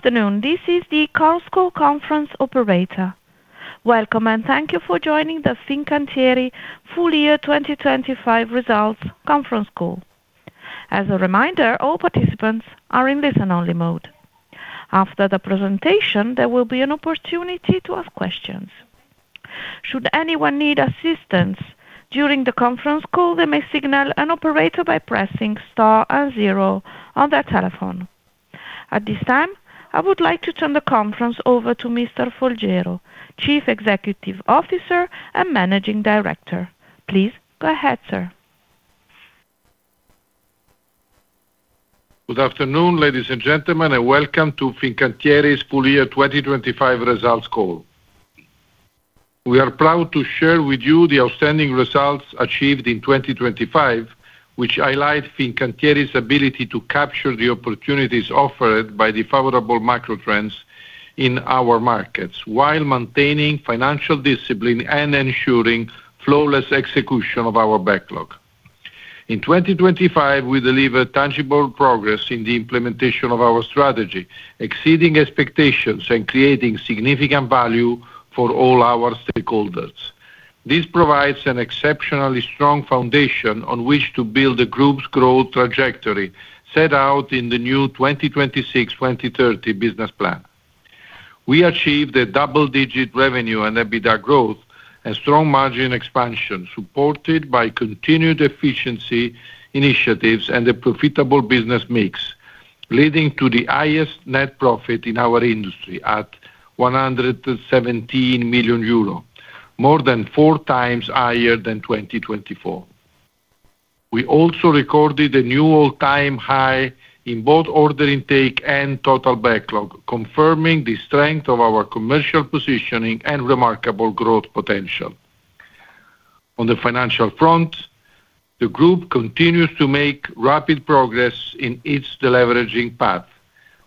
afternoon. This is the Chorus Call conference operator. Welcome and thank you for joining the Fincantieri full year 2025 results conference call. As a reminder, all participants are in listen-only mode. After the presentation, there will be an opportunity to ask questions. Should anyone need assistance during the conference call, they may signal an operator by pressing star and zero on their telephone. At this time, I would like to turn the conference over to Mr. Folgiero, Chief Executive Officer and Managing Director. Please go ahead, sir. Good afternoon, ladies and gentlemen, and welcome to Fincantieri's full year 2025 results call. We are proud to share with you the outstanding results achieved in 2025, which highlight Fincantieri's ability to capture the opportunities offered by the favorable macro trends in our markets while maintaining financial discipline and ensuring flawless execution of our backlog. In 2025, we delivered tangible progress in the implementation of our strategy, exceeding expectations and creating significant value for all our stakeholders. This provides an exceptionally strong foundation on which to build the group's growth trajectory set out in the new 2026, 2030 business plan. We achieved a double-digit revenue and EBITDA growth and strong margin expansion, supported by continued efficiency initiatives and the profitable business mix, leading to the highest net profit in our industry at 117 million euro, more than 4 times higher than 2024. We also recorded a new all-time high in both order intake and total backlog, confirming the strength of our commercial positioning and remarkable growth potential. On the financial front, the group continues to make rapid progress in its deleveraging path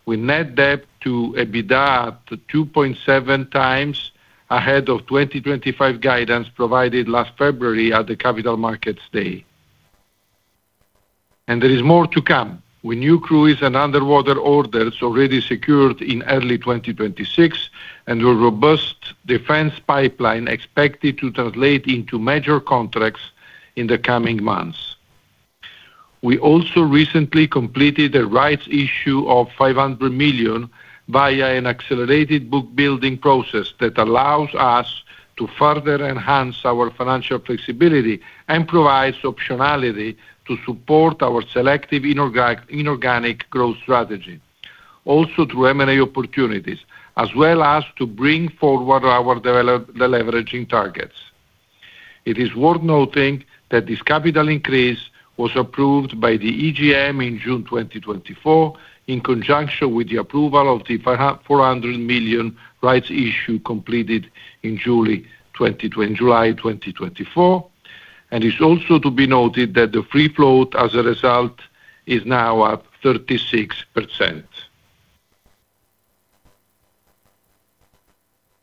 with net debt to EBITDA at 2.7 times ahead of 2025 guidance provided last February at the Capital Markets Day. There is more to come with new cruise and underwater orders already secured in early 2026 and a robust defense pipeline expected to translate into major contracts in the coming months. We also recently completed a rights issue of 500 million via an accelerated book-building process that allows us to further enhance our financial flexibility and provides optionality to support our selective inorganic growth strategy, also through M&A opportunities, as well as to bring forward our deleveraging targets. It is worth noting that this capital increase was approved by the EGM in June 2024 in conjunction with the approval of the 400 million rights issue completed in July 2024. It's also to be noted that the free float, as a result, is now up 36%.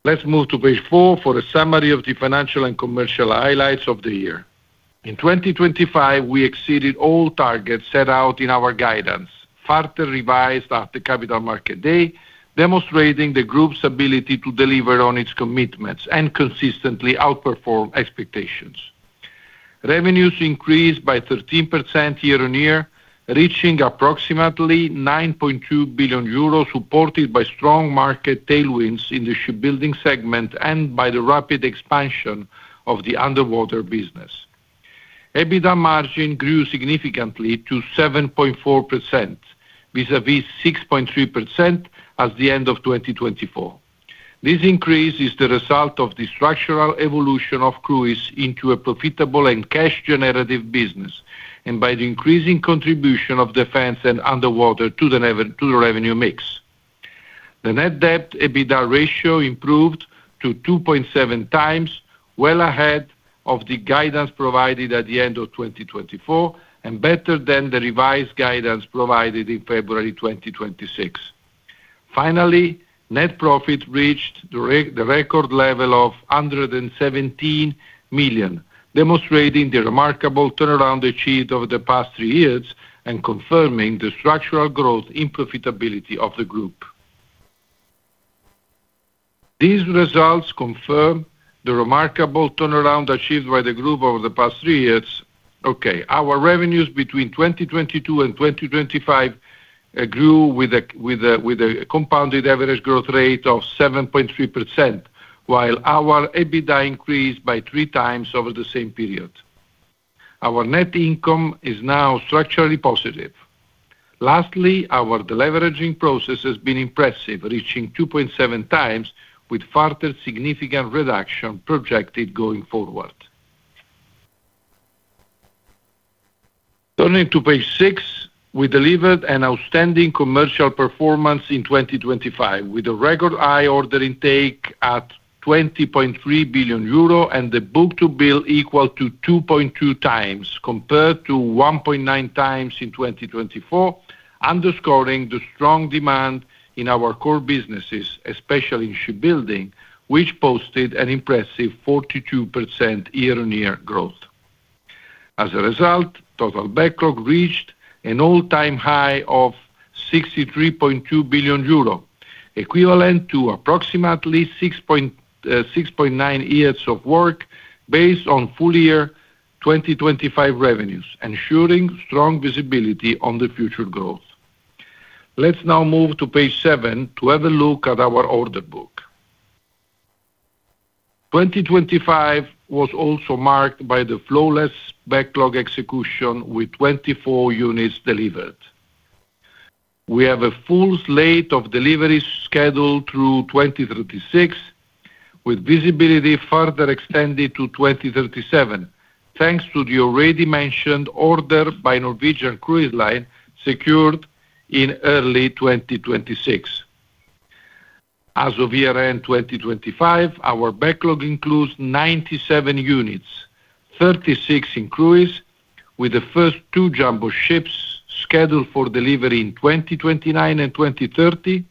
Let's move to page 4 for a summary of the financial and commercial highlights of the year. In 2025, we exceeded all targets set out in our guidance, further revised at the Capital Market Day, demonstrating the group's ability to deliver on its commitments and consistently outperform expectations. Revenues increased by 13% year-on-year, reaching approximately 9.2 billion euros, supported by strong market tailwinds in the shipbuilding segment and by the rapid expansion of the underwater business. EBITDA margin grew significantly to 7.4% vis-à-vis 6.3% as at the end of 2024. This increase is the result of the structural evolution of cruise into a profitable and cash generative business and by the increasing contribution of defense and underwater to the revenue mix. The net debt EBITDA ratio improved to 2.7 times well ahead of the guidance provided at the end of 2024 and better than the revised guidance provided in February 2026. Finally, net profit reached the record level of 117 million, demonstrating the remarkable turnaround achieved over the past three years and confirming the structural growth in profitability of the group. These results confirm the remarkable turnaround achieved by the group over the past three years. Okay, our revenues between 2022 and 2025 grew with a compounded average growth rate of 7.3%, while our EBITDA increased by three times over the same period. Our net income is now structurally positive. Lastly, our deleveraging process has been impressive, reaching 2.7 times with further significant reduction projected going forward. Turning to page six, we delivered an outstanding commercial performance in 2025 with a record high order intake at 20.3 billion euro and the book-to-bill equal to 2.2 times compared to 1.9 times in 2024, underscoring the strong demand in our core businesses, especially in shipbuilding, which posted an impressive 42% year-on-year growth. As a result, total backlog reached an all-time high of 63.2 billion euro, equivalent to approximately 6.9 years of work based on full year 2025 revenues, ensuring strong visibility on the future growth. Let's now move to page seven to have a look at our order book. 2025 was also marked by the flawless backlog execution with 24 units delivered. We have a full slate of deliveries scheduled through 2036, with visibility further extended to 2037, thanks to the already mentioned order by Norwegian Cruise Line secured in early 2026. As of year-end 2025, our backlog includes 97 units. 36 in cruise, with the first two jumbo ships scheduled for delivery in 2029 and 2030.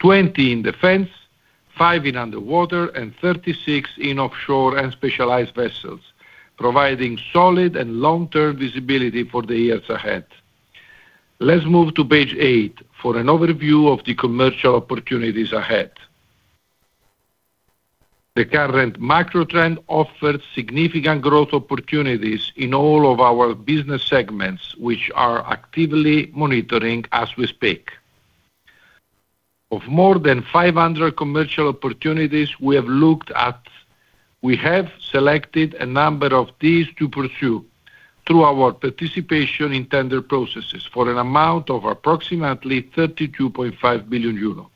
20 in defense, five in underwater, and 36 in offshore and specialized vessels, providing solid and long-term visibility for the years ahead. Let's move to page 8 for an overview of the commercial opportunities ahead. The current macro trend offers significant growth opportunities in all of our business segments, which we are actively monitoring as we speak. Of more than 500 commercial opportunities we have looked at, we have selected a number of these to pursue through our participation in tender processes for an amount of approximately 32.5 billion euro.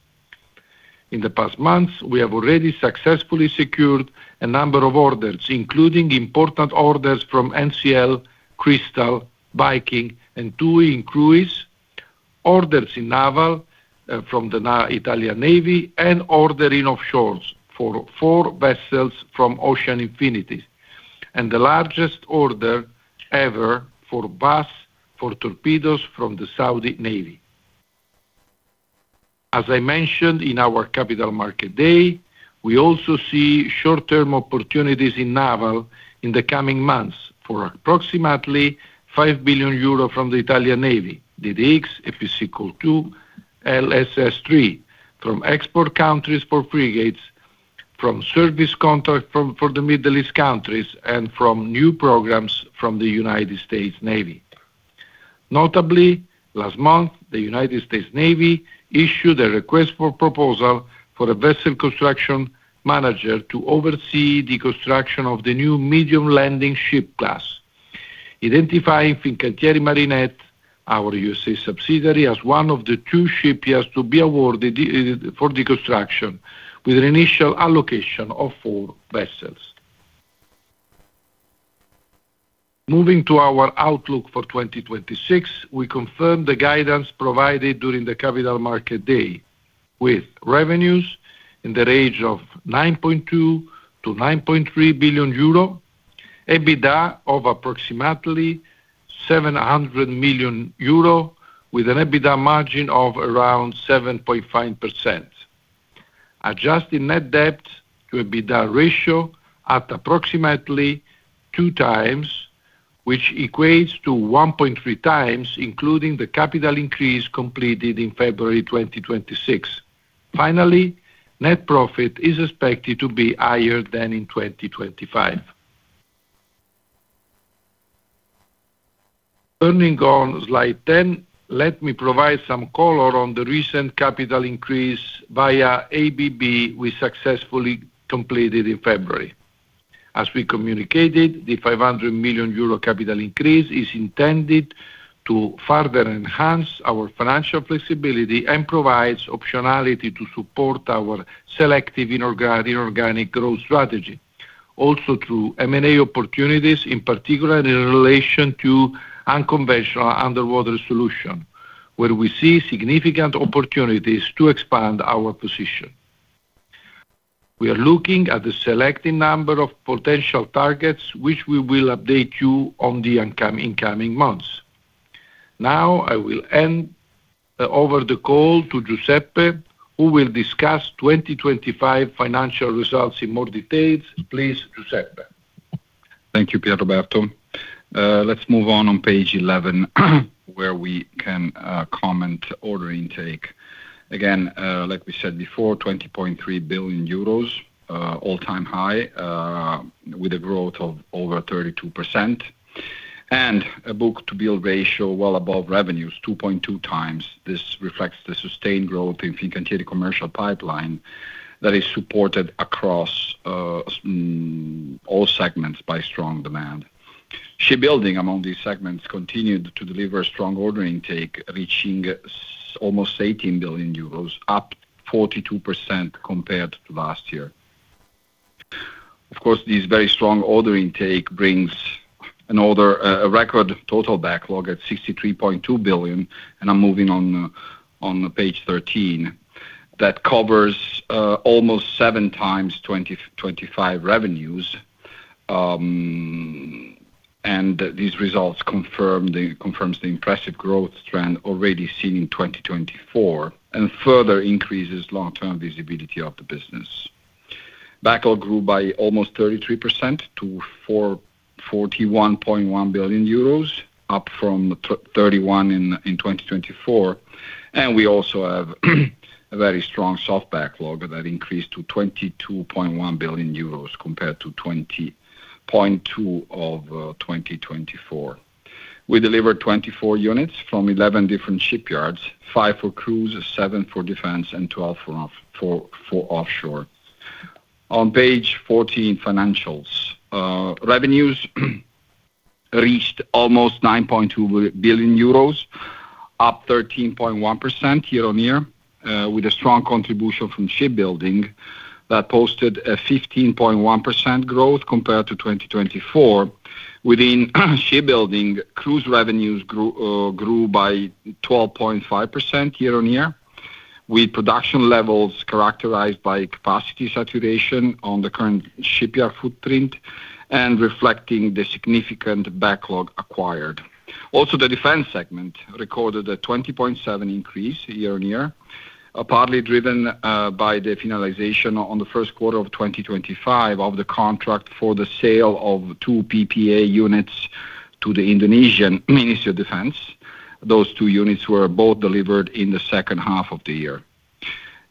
In the past months, we have already successfully secured a number of orders, including important orders from NCL, Crystal, Viking and TUI Cruises. Orders in naval from the Italian Navy, and order in offshore for 4 vessels from Ocean Infinity, and the largest order ever for WASS for torpedoes from the Saudi Navy. As I mentioned in our Capital Market Day, we also see short-term opportunities in naval in the coming months for approximately 5 billion euro from the Italian Navy, DDX, FSC Cohort 2, LSS 3, from export countries for frigates, from service contracts for the Middle East countries, and from new programs from the United States Navy. Notably, last month, the United States Navy issued a request for proposal for a vessel construction manager to oversee the construction of the new medium landing ship class, identifying Fincantieri Marinette Marine, our U.S. subsidiary, as one of the two shipyards to be awarded for the construction with an initial allocation of 4 vessels. Moving to our outlook for 2026, we confirm the guidance provided during the Capital Market Day with revenues in the range of 9.2 billion-9.3 billion euro, EBITDA of approximately 700 million euro with an EBITDA margin of around 7.5%. Adjusting net debt to EBITDA ratio at approximately 2 times, which equates to 1.3 times including the capital increase completed in February 2026. Finally, net profit is expected to be higher than in 2025. Turning on Slide 10, let me provide some color on the recent capital increase via ABB we successfully completed in February. As we communicated, the 500 million euro capital increase is intended to further enhance our financial flexibility and provides optionality to support our selective inorganic growth strategy. Also, through M&A opportunities, in particular in relation to unconventional underwater solution, where we see significant opportunities to expand our position. We are looking at a selected number of potential targets, which we will update you on in the coming months. Now, I will hand over the call to Giuseppe, who will discuss 2025 financial results in more details. Please, Giuseppe. Thank you, Pierroberto. Let's move on page 11 where we can comment order intake. Again, like we said before, 20.3 billion euros, all-time high, with a growth of over 32%. Book-to-bill ratio well above revenues, 2.2 times. This reflects the sustained growth in Fincantieri commercial pipeline that is supported across all segments by strong demand. Shipbuilding among these segments continued to deliver strong order intake, reaching almost 18 billion euros, up 42% compared to last year. Of course, this very strong order intake brings a record total backlog at 63.2 billion, and I'm moving on page 13. That covers almost seven times 2025 revenues. These results confirm the impressive growth trend already seen in 2024 and further increases long-term visibility of the business. Backlog grew by almost 33% to 41.1 billion euros, up from 31 in 2024. We also have a very strong soft backlog that increased to 22.1 billion euros compared to 20.2 in 2024. We delivered 24 units from 11 different shipyards, five for cruise, 7 for defense, and 12 for offshore. On page 14, financials. Revenues reached almost 9.2 billion euros, up 13.1% year-on-year, with a strong contribution from shipbuilding that posted a 15.1% growth compared to 2024. Within shipbuilding, cruise revenues grew by 12.5% year-on-year, with production levels characterized by capacity saturation on the current shipyard footprint and reflecting the significant backlog acquired. The defense segment recorded a 20.7% increase year-on-year, partly driven by the finalization on the first quarter of 2025 of the contract for the sale of two PPA units to the Indonesian Ministry of Defense. Those two units were both delivered in the second half of the year.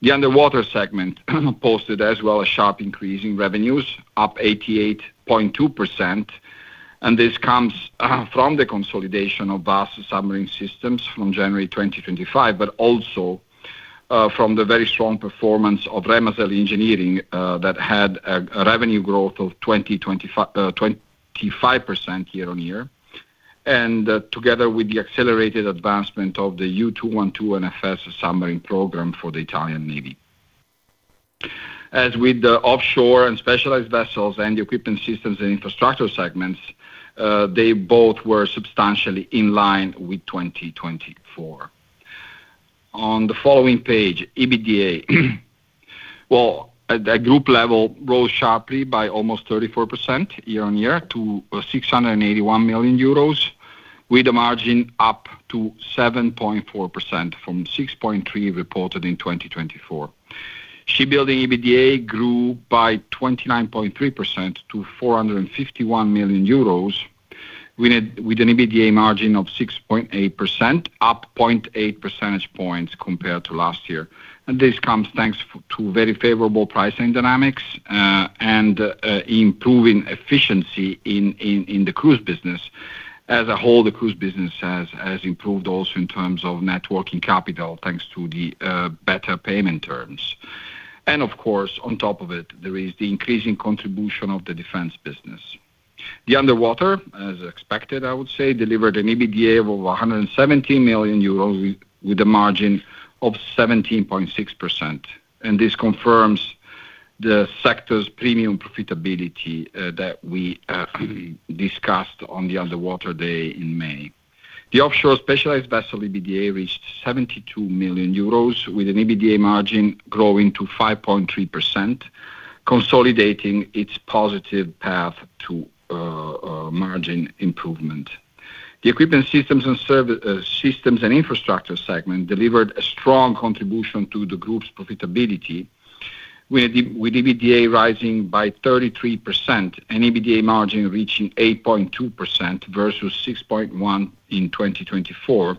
The underwater segment posted a sharp increase as well in revenues, up 88.2%. This comes from the consolidation of WASS Submarine Systems from January 2025, but also from the very strong performance of Remazel Engineering that had a revenue growth of 25% year-on-year. Together with the accelerated advancement of the U212 NFS submarine program for the Italian Navy. As with the offshore and specialized vessels and the equipment systems and infrastructure segments, they both were substantially in line with 2024. On the following page, EBITDA. Well, at the group level, rose sharply by almost 34% year-on-year to 681 million euros, with the margin up to 7.4% from 6.3% reported in 2024. Shipbuilding EBITDA grew by 29.3% to 451 million euros with an EBITDA margin of 6.8%, up 0.8 percentage points compared to last year. This comes thanks to very favorable pricing dynamics and improving efficiency in the cruise business. As a whole, the cruise business has improved also in terms of net working capital, thanks to the better payment terms. Of course, on top of it, there is the increasing contribution of the defense business. The underwater, as expected, I would say, delivered an EBITDA of 170 million euros with a margin of 17.6%. This confirms the sector's premium profitability that we discussed on the underwater day in May. The offshore specialized vessel EBITDA reached 72 million euros, with an EBITDA margin growing to 5.3%, consolidating its positive path to margin improvement. The equipment systems and systems and infrastructure segment delivered a strong contribution to the group's profitability with EBITDA rising by 33% and EBITDA margin reaching 8.2% versus 6.1% in 2024.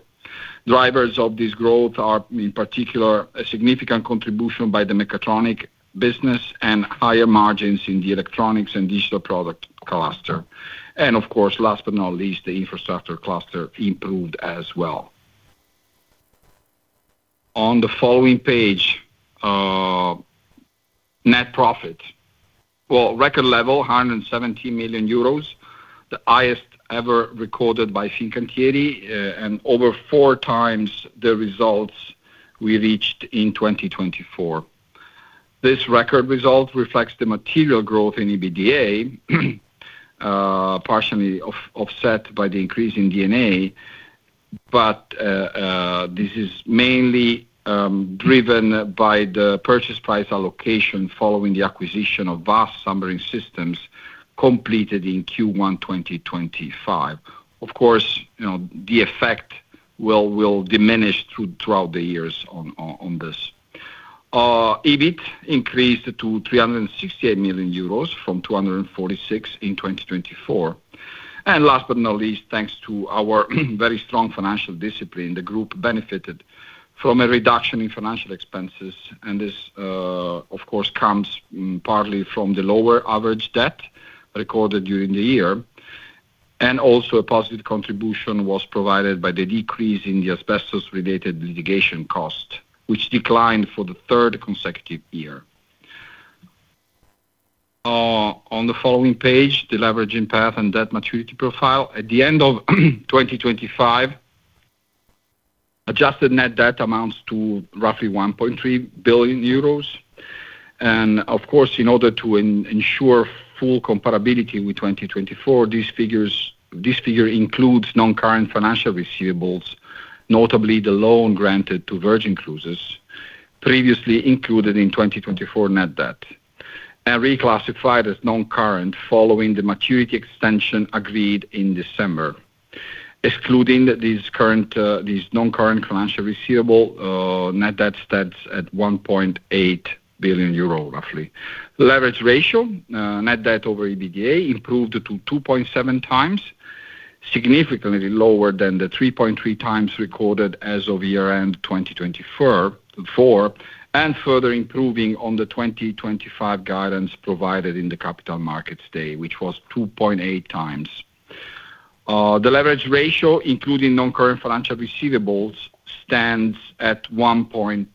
Drivers of this growth are, in particular, a significant contribution by the mechatronic business and higher margins in the electronics and digital product cluster. Of course, last but not least, the infrastructure cluster improved as well. On the following page, net profit. Well, record level, 170 million euros, the highest ever recorded by Fincantieri, and over four times the results we reached in 2024. This record result reflects the material growth in EBITDA, partially offset by the increase in D&A, but this is mainly driven by the purchase price allocation following the acquisition of WASS Submarine Systems completed in Q1 2025. Of course, you know, the effect will diminish throughout the years on this. EBIT increased to 368 million euros from 246 million in 2024. Last but not least, thanks to our very strong financial discipline, the group benefited from a reduction in financial expenses. This, of course, comes partly from the lower average debt recorded during the year. Also, a positive contribution was provided by the decrease in the asbestos-related litigation cost, which declined for the third consecutive year. On the following page, the leveraging path and debt maturity profile. At the end of 2025, adjusted net debt amounts to roughly 1.3 billion euros. Of course, in order to ensure full comparability with 2024, this figure includes non-current financial receivables, notably the loan granted to Virgin Voyages previously included in 2024 net debt and reclassified as non-current following the maturity extension agreed in December. Excluding these non-current financial receivable, net debt stands at roughly 1.8 billion euro. Leverage ratio, net debt over EBITDA improved to 2.7 times, significantly lower than the 3.3 times recorded as of year-end 2024, and further improving on the 2025 guidance provided in the Capital Markets Day, which was 2.8 times. The leverage ratio, including non-current financial receivables, stands at 1.9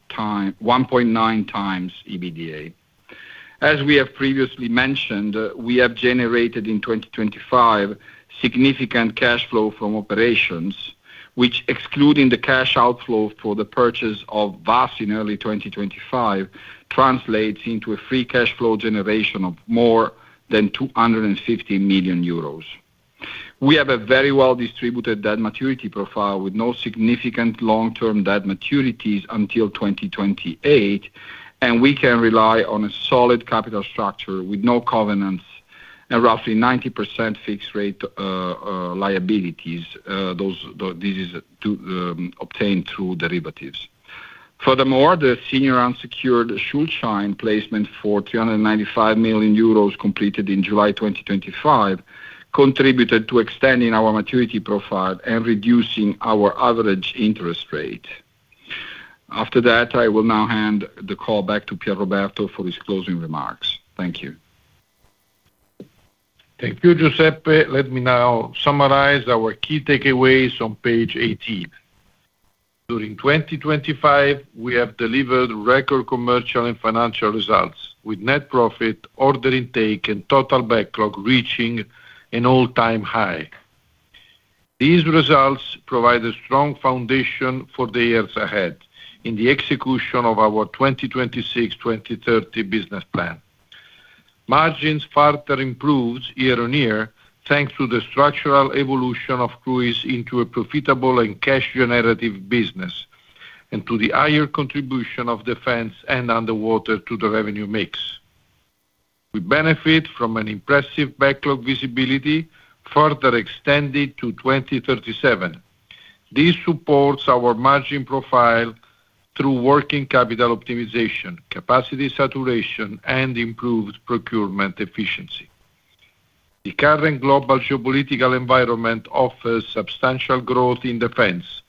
times EBITDA. As we have previously mentioned, we have generated in 2025 significant cash flow from operations, which excluding the cash outflow for the purchase of WASS in early 2025 translates into a free cash flow generation of more than 250 million euros. We have a very well-distributed debt maturity profile with no significant long-term debt maturities until 2028, and we can rely on a solid capital structure with no covenants and roughly 90% fixed rate liabilities obtained through derivatives. Furthermore, the senior unsecured Schuldschein placement for 395 million euros completed in July 2025 contributed to extending our maturity profile and reducing our average interest rate. After that, I will now hand the call back to Pierroberto for his closing remarks. Thank you. Thank you, Giuseppe. Let me now summarize our key takeaways on page 18. During 2025, we have delivered record commercial and financial results, with net profit, order intake and total backlog reaching an all-time high. These results provide a strong foundation for the years ahead in the execution of our 2026-2030 business plan. Margins further improved year-over-year, thanks to the structural evolution of cruise into a profitable and cash generative business, and to the higher contribution of defense and underwater to the revenue mix. We benefit from an impressive backlog visibility further extended to 2037. This supports our margin profile through working capital optimization, capacity saturation and improved procurement efficiency. The current global geopolitical environment offers substantial growth in defense,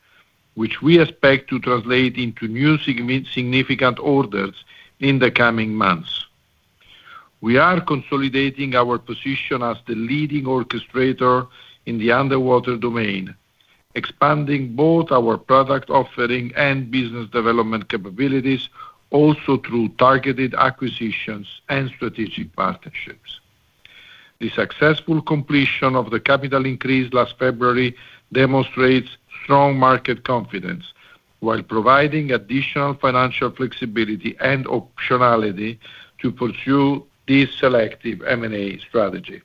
which we expect to translate into new significant orders in the coming months. We are consolidating our position as the leading orchestrator in the underwater domain, expanding both our product offering and business development capabilities also through targeted acquisitions and strategic partnerships. The successful completion of the capital increase last February demonstrates strong market confidence while providing additional financial flexibility and optionality to pursue this selective M&A strategy.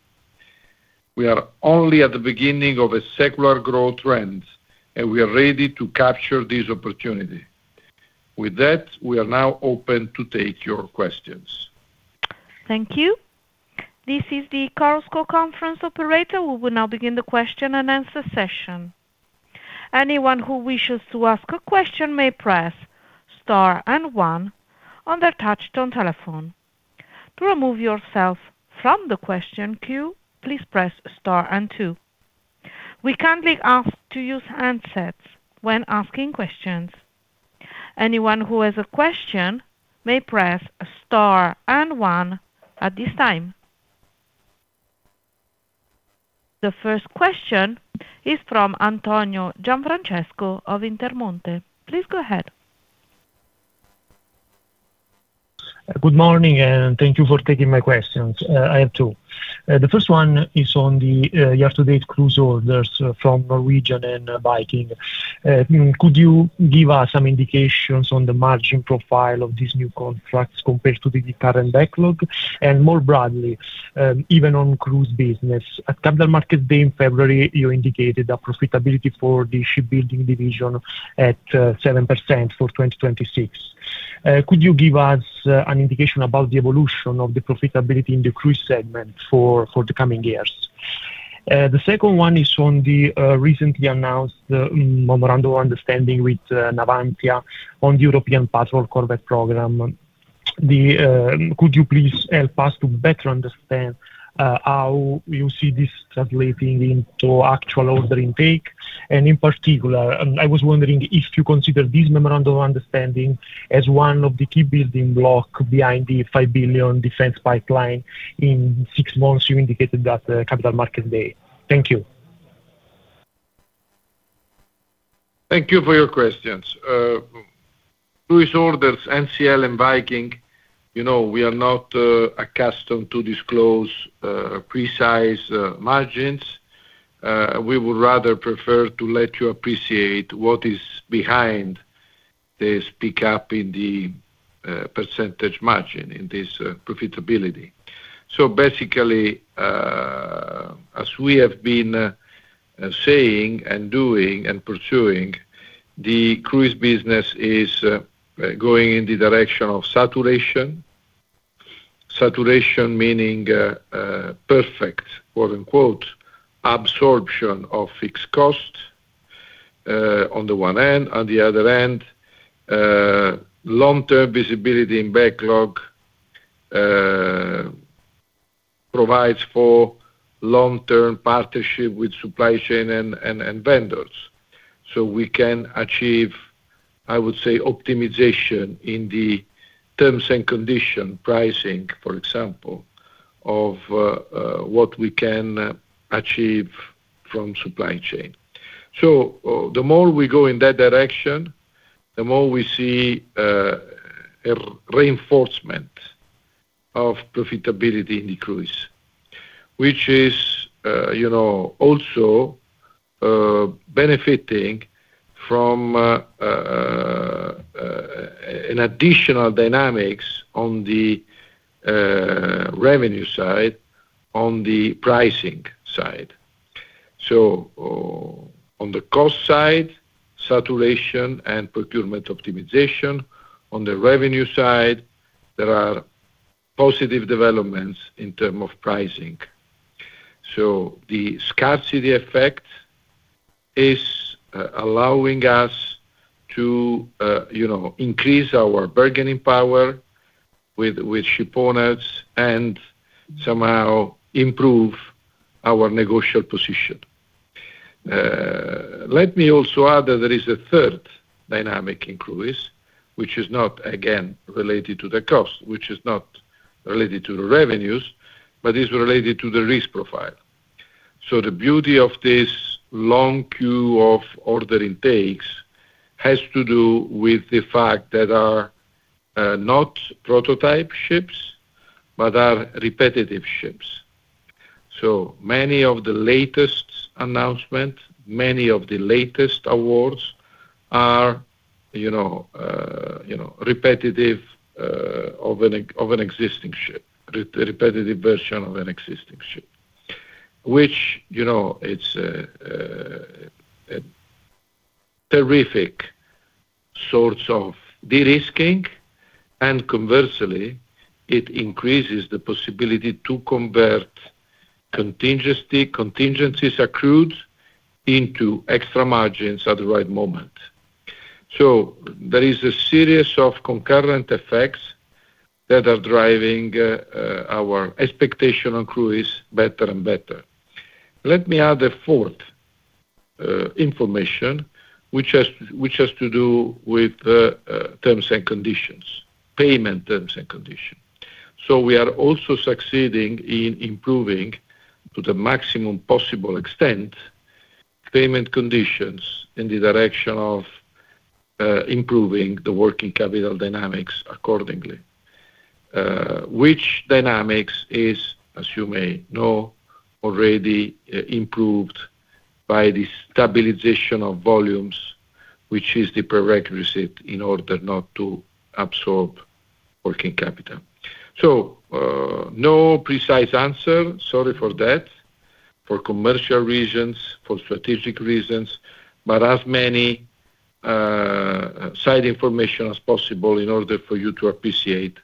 We are only at the beginning of a secular growth trend, and we are ready to capture this opportunity. With that, we are now open to take your questions. Thank you. This is the Chorus Call conference operator. We will now begin the question-and-answer session. Anyone who wishes to ask a question may press Star and one on their touchtone telephone. To remove yourself from the question queue, please press Star and two. We kindly ask to use handsets when asking questions. Anyone who has a question may press Star and one at this time. The first question is from Antonio Gianfrancesco of Intermonte. Please go ahead. Good morning and thank you for taking my questions. I have two. The first one is on the year-to-date cruise orders from Norwegian and Viking. Could you give us some indications on the margin profile of these new contracts compared to the current backlog? More broadly, even on cruise business. At Capital Markets Day in February, you indicated a profitability for the shipbuilding division at 7% for 2026. Could you give us an indication about the evolution of the profitability in the cruise segment for the coming years? The second one is on the recently announced memorandum of understanding with Navantia on the European Patrol Corvette program. Could you please help us to better understand how you see this translating into actual order intake? In particular, I was wondering if you consider this memorandum of understanding as one of the key building block behind the 5 billion defense pipeline in six months you indicated at the Capital Markets Day. Thank you. Thank you for your questions. Cruise orders, NCL and Viking, you know, we are not accustomed to disclose precise margins. We would rather prefer to let you appreciate what is behind this pickup in the percentage margin, in this profitability. Basically, as we have been saying and doing and pursuing, the cruise business is going in the direction of saturation. Saturation meaning perfect, quote-unquote, absorption of fixed cost on the one end. On the other end, long-term visibility in backlog provides for long-term partnership with supply chain and vendors. We can achieve, I would say, optimization in the terms and conditions pricing, for example, of what we can achieve from supply chain. The more we go in that direction, the more we see a reinforcement of profitability in the cruise, which is, you know, also benefiting from an additional dynamic on the revenue side, on the pricing side. On the cost side, saturation and procurement optimization. On the revenue side, there are positive developments in terms of pricing. The scarcity effect is allowing us to, you know, increase our bargaining power with shipowners and somehow improve our negotiation position. Let me also add that there is a third dynamic in cruise, which is not again related to the cost, which is not related to the revenues, but is related to the risk profile. The beauty of this long queue of order intakes has to do with the fact that are not prototype ships but are repetitive ships. Many of the latest announcements, many of the latest awards are, you know, repetitive versions of an existing ship. Which, you know, it is a terrific source of de-risking and conversely, it increases the possibility to convert contingencies accrued into extra margins at the right moment. There is a series of concurrent effects that are driving our expectation on cruise better and better. Let me add a fourth information, which has to do with terms and conditions, payment terms and conditions. We are also succeeding in improving to the maximum possible extent payment conditions in the direction of improving the working capital dynamics accordingly. Which dynamics is, as you may know, already improved by the stabilization of volumes, which is the prerequisite in order not to absorb working capital. No precise answer. Sorry for that. For commercial reasons, for strategic reasons, but as many side information as possible in order for you to appreciate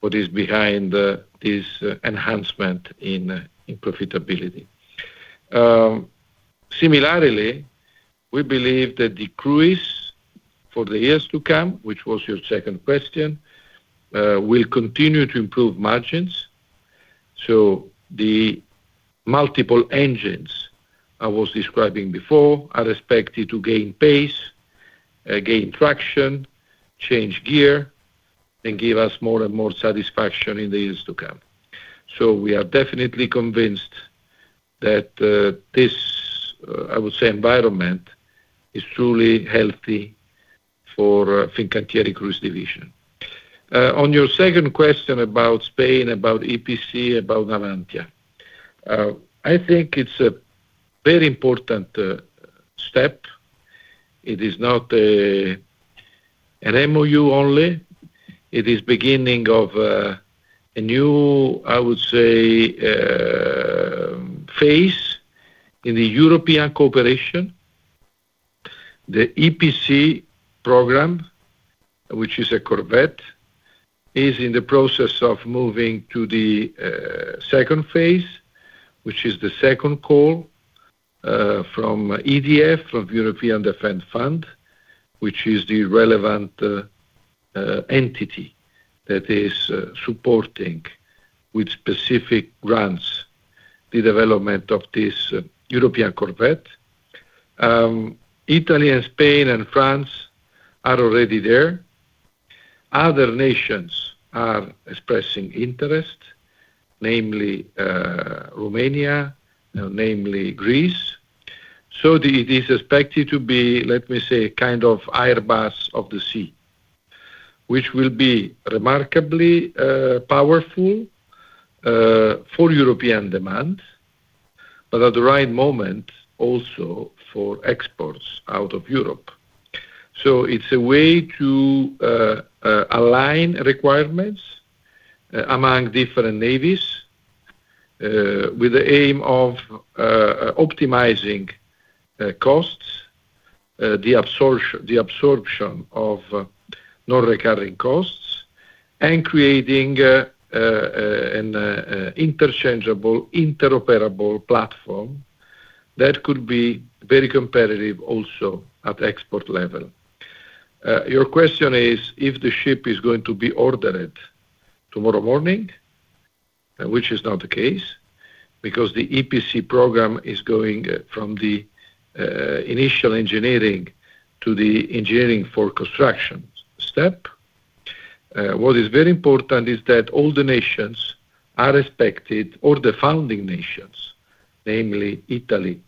what is behind this enhancement in profitability. Similarly, we believe that the cruise for the years to come, which was your second question, will continue to improve margins. The multiple engines I was describing before are expected to gain pace, gain traction, change gear, and give us more and more satisfaction in the years to come. We are definitely convinced that this, I would say, environment is truly healthy for Fincantieri Cruise division. On your second question about Spain, about EPC, about Navantia. I think it's a very important step. It is not an MoU only. It is beginning of a new, I would say, phase in the European cooperation. The EPC program, which is a corvette, is in the process of moving to the second phase, which is the second call from EDF, from European Defence Fund, which is the relevant entity that is supporting with specific grants, the development of this European corvette. Italy and Spain and France are already there. Other nations are expressing interest, namely Romania, namely Greece. It is expected to be, let me say, kind of Airbus of the sea. Which will be remarkably powerful for European demand, but at the right moment, also for exports out of Europe. It's a way to align requirements among different navies, with the aim of optimizing costs, the absorption of non-recurring costs and creating an interchangeable, interoperable platform that could be very competitive also at export level. Your question is if the ship is going to be ordered tomorrow morning, which is not the case, because the EPC program is going from the initial engineering to the engineering for construction step. What is very important is that all the nations are expected, all the founding nations, namely Italy,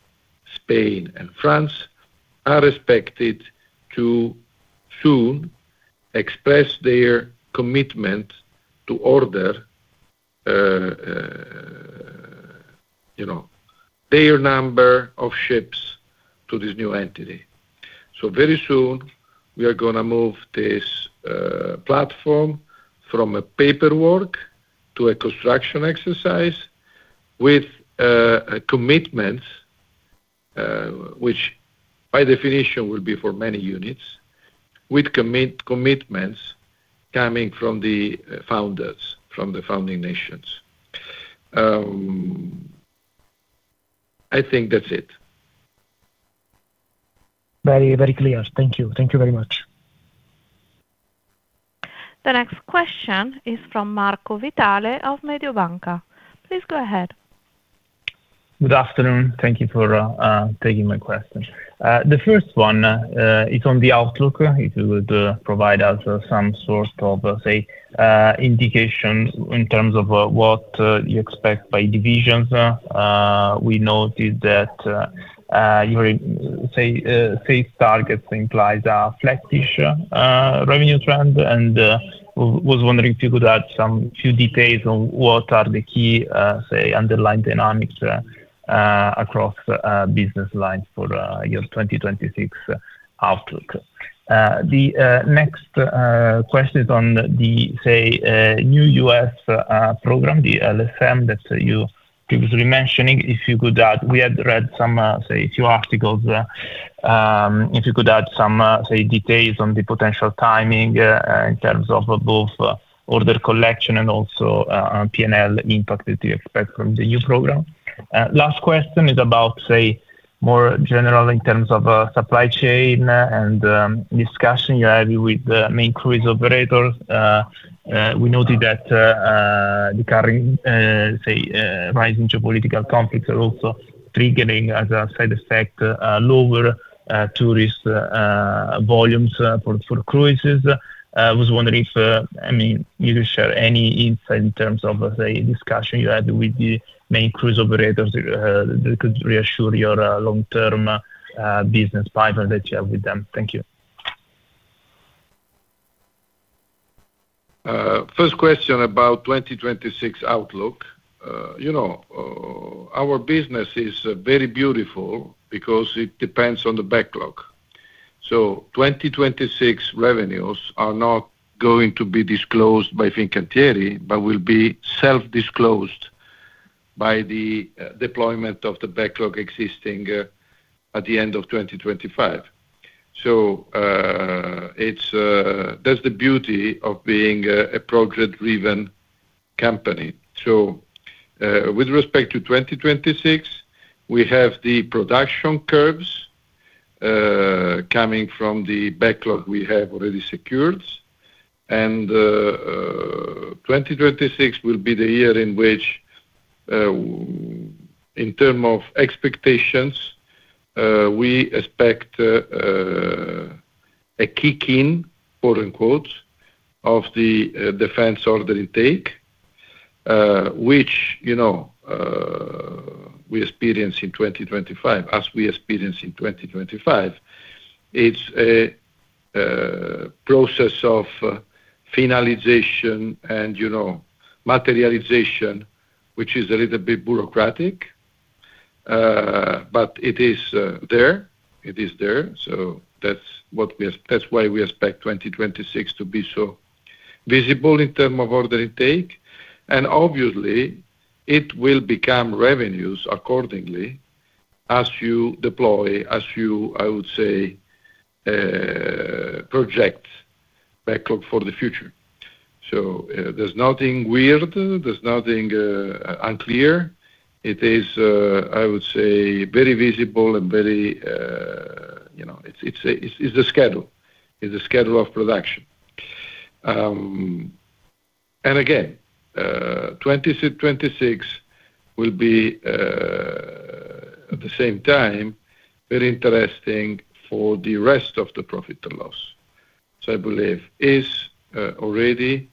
Spain and France, are expected to soon express their commitment to order, you know, their number of ships to this new entity. Very soon, we are gonna move this platform from a paperwork to a construction exercise with a commitment, which by definition will be for many units, with commitments coming from the founders, from the founding nations. I think that's it. Very, very clear. Thank you. Thank you very much. The next question is from Marco Vitale of Mediobanca. Please go ahead. Good afternoon. Thank you for taking my question. The first one is on the outlook. If you could provide us some sort of indication in terms of what you expect by divisions. We noted that your SAFE targets imply a flattish revenue trend and was wondering if you could add some few details on what the key underlying dynamics across business lines for your 2026 outlook are. The next question is on the new U.S. program, the LSM that you previously mentioning. If you could add. We had read some a few articles. If you could add some, say, details on the potential timing, in terms of both order collection and also, P&L impact that you expect from the new program. Last question is about say, more general in terms of supply chain and discussion you're having with the main cruise operators. We noted that, the current, say, rise in geopolitical conflicts are also triggering as a side effect, lower, tourist, volumes, for cruises. I was wondering if, I mean, you could share any insight in terms of say, discussion you had with the main cruise operators that could reassure your, long-term, business pipeline that you have with them. Thank you. First question about 2026 outlook. You know, our business is very beautiful because it depends on the backlog. 2026 revenues are not going to be disclosed by Fincantieri, but will be self-disclosed by the deployment of the backlog existing at the end of 2025. That's the beauty of being a program-driven company. With respect to 2026, we have the production curves coming from the backlog we have already secured. 2026 will be the year in which, in terms of expectations, we expect a kick in, quote-unquote, of the defense order intake. Which, you know, we experience in 2025. It's a process of finalization and, you know, materialization, which is a little bit bureaucratic. It is there. That's why we expect 2026 to be so visible in terms of order intake. Obviously, it will become revenues accordingly as you deploy, as you, I would say, project backlog for the future. There's nothing weird, nothing unclear. It is, I would say, very visible and very, you know, it's a schedule. It's a schedule of production. Again, 2026 will be, at the same time, very interesting for the rest of the profit and loss. I believe it is already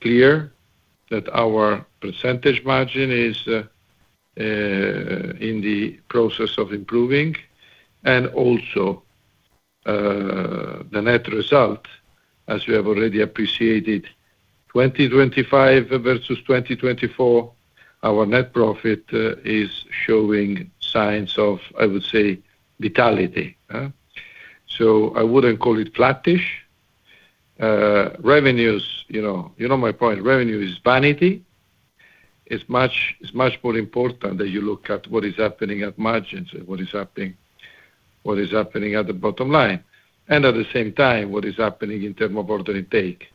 clear that our percentage margin is in the process of improving and also the net result, as we have already appreciated, 2025 versus 2024, our net profit is showing signs of, I would say, vitality. I wouldn't call it flattish. Revenues, you know my point, revenue is vanity. It's much more important that you look at what is happening at margins and what is happening at the bottom line. And at the same time, what is happening in terms of order intake,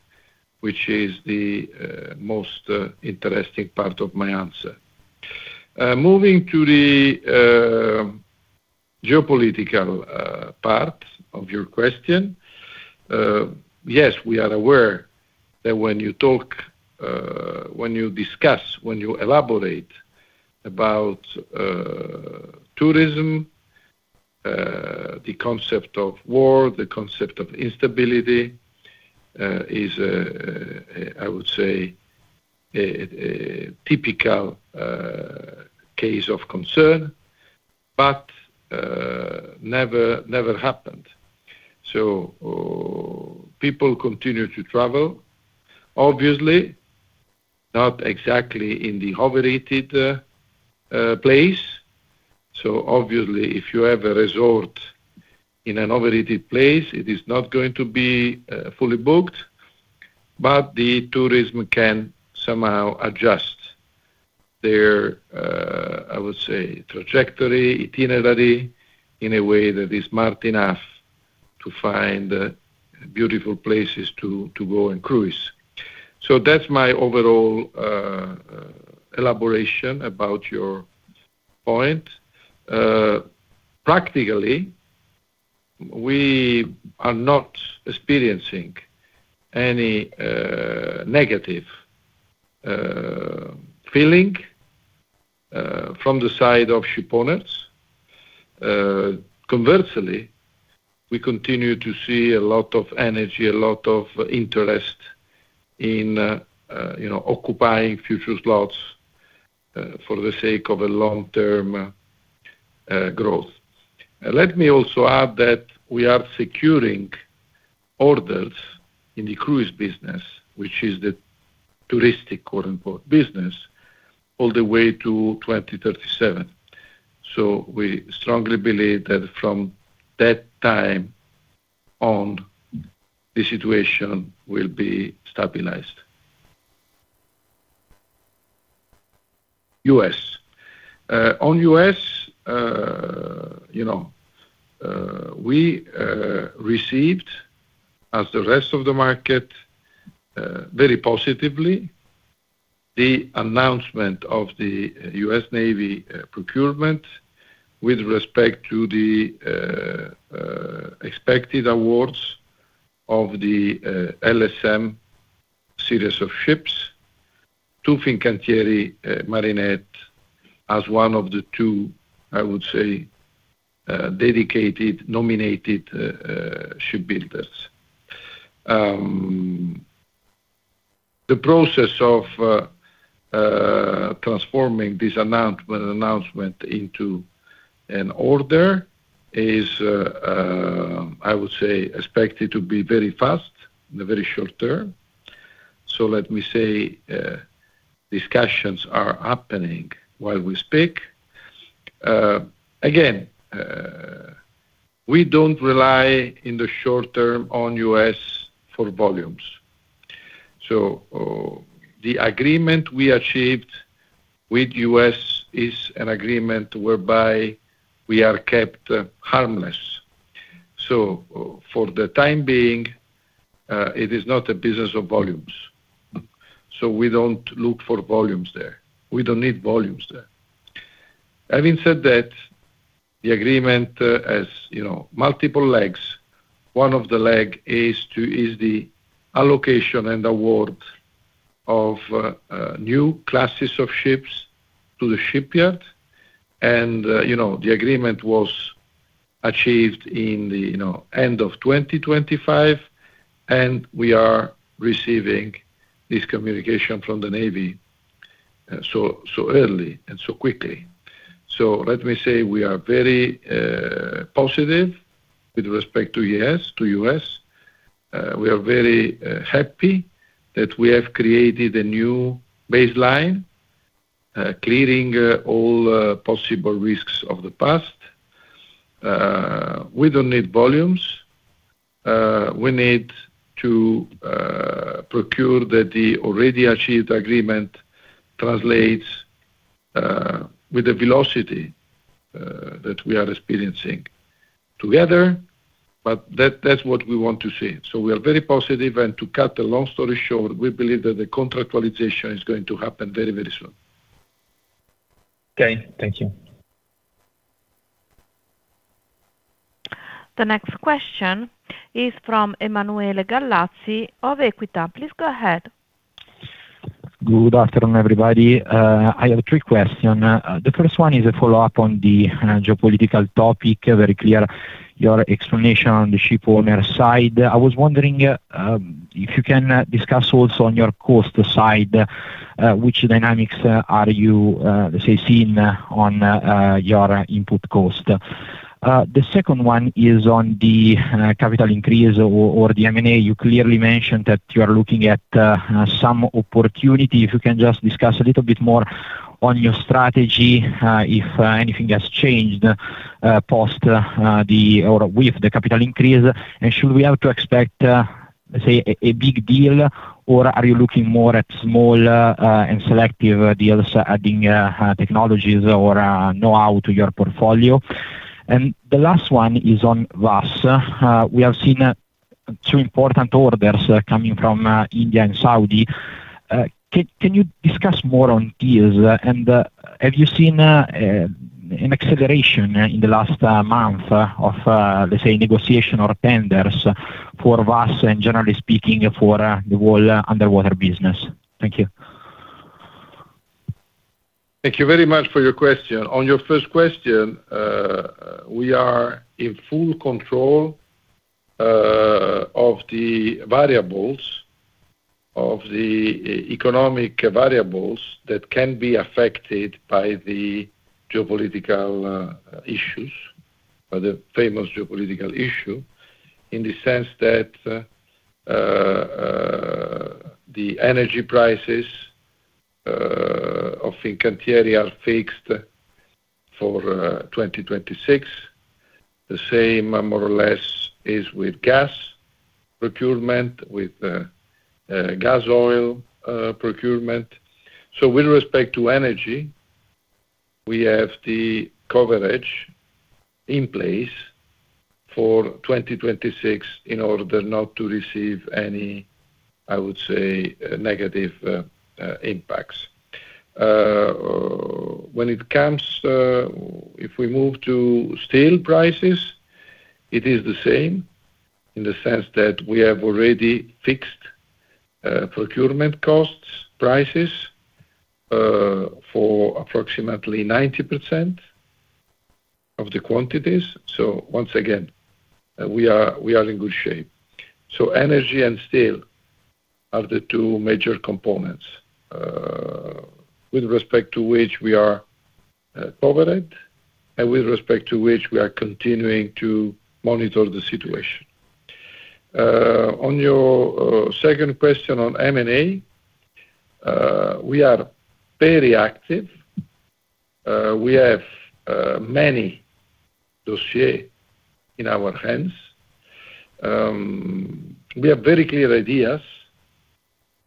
which is the most interesting part of my answer. Moving to the geopolitical part of your question. Yes, we are aware that when you talk, when you discuss, when you elaborate about tourism, the concept of war, the concept of instability is, I would say, a typical case of concern, but never happened. People continue to travel, obviously, not exactly in the overrated place. Obviously, if you have a resort in an overrated place, it is not going to be fully booked, but the tourism can somehow adjust their, I would say, trajectory, itinerary in a way that is smart enough to find beautiful places to go and cruise. That's my overall elaboration about your point. Practically, we are not experiencing any negative feeling from the side of ship owners. Conversely, we continue to see a lot of energy, a lot of interest in, you know, occupying future slots, for the sake of a long-term growth. Let me also add that we are securing orders in the cruise business, which is the touristic quote-unquote business all the way to 2037. We strongly believe that from that time on, the situation will be stabilized. U.S. On U.S., you know, we received, as the rest of the market, very positively the announcement of the U.S. Navy procurement with respect to the expected awards of the LSM series of ships to Fincantieri Marinette as one of the two, I would say, dedicated, nominated shipbuilders. The process of transforming this announcement into an order is, I would say, expected to be very fast in the very short term. Let me say, discussions are happening while we speak. Again, we don't rely in the short term on U.S. for volumes. The agreement we achieved with U.S. is an agreement whereby we are kept harmless. For the time being, it is not a business of volumes. We don't look for volumes there. We don't need volumes there. Having said that, the agreement has, you know, multiple legs. One of the leg is the allocation and award of new classes of ships to the shipyard. You know, the agreement was achieved in the, you know, end of 2025, and we are receiving this communication from the Navy so early and so quickly. Let me say we are very positive with respect to U.S. We are very happy that we have created a new baseline, clearing all possible risks of the past. We don't need volumes. We need to procure that the already achieved agreement translates with the velocity that we are experiencing together, but that's what we want to see. We are very positive, and to cut the long story short, we believe that the contractualization is going to happen very, very soon. Okay. Thank you. The next question is from Emanuele Gallazzi of Equita. Please go ahead. Good afternoon, everybody. I have three questions. The first one is a follow-up on the geopolitical topic. Very clear your explanation on the ship owner side. I was wondering, if you can discuss also on your cost side, which dynamics are you, let's say, seeing on, your input cost. The second one is on the capital increase or the M&A. You clearly mentioned that you are looking at, some opportunity. If you can just discuss a little bit more on your strategy, if anything has changed, post, or with the capital increase, and should we have to expect, let's say a big deal, or are you looking more at smaller, and selective, deals adding, technologies or know-how to your portfolio? The last one is on WASS. We have seen two important orders coming from India and Saudi. Can you discuss more on deals? Have you seen an acceleration in the last month of let's say negotiation or tenders for WASS and generally speaking for the whole underwater business? Thank you. Thank you very much for your question. On your first question, we are in full control of the variables, of the economic variables that can be affected by the geopolitical issues or the famous geopolitical issue, in the sense that the energy prices of Fincantieri are fixed for 2026. The same more or less is with gas procurement, with gas oil procurement. With respect to energy, we have the coverage in place for 2026 in order not to receive any, I would say, negative impacts. When it comes, if we move to steel prices, it is the same in the sense that we have already fixed procurement costs, prices for approximately 90% of the quantities. Once again, we are in good shape. Energy and steel are the two major components with respect to which we are covered and with respect to which we are continuing to monitor the situation. On your second question on M&A, we are very active. We have many dossiers in our hands. We have very clear ideas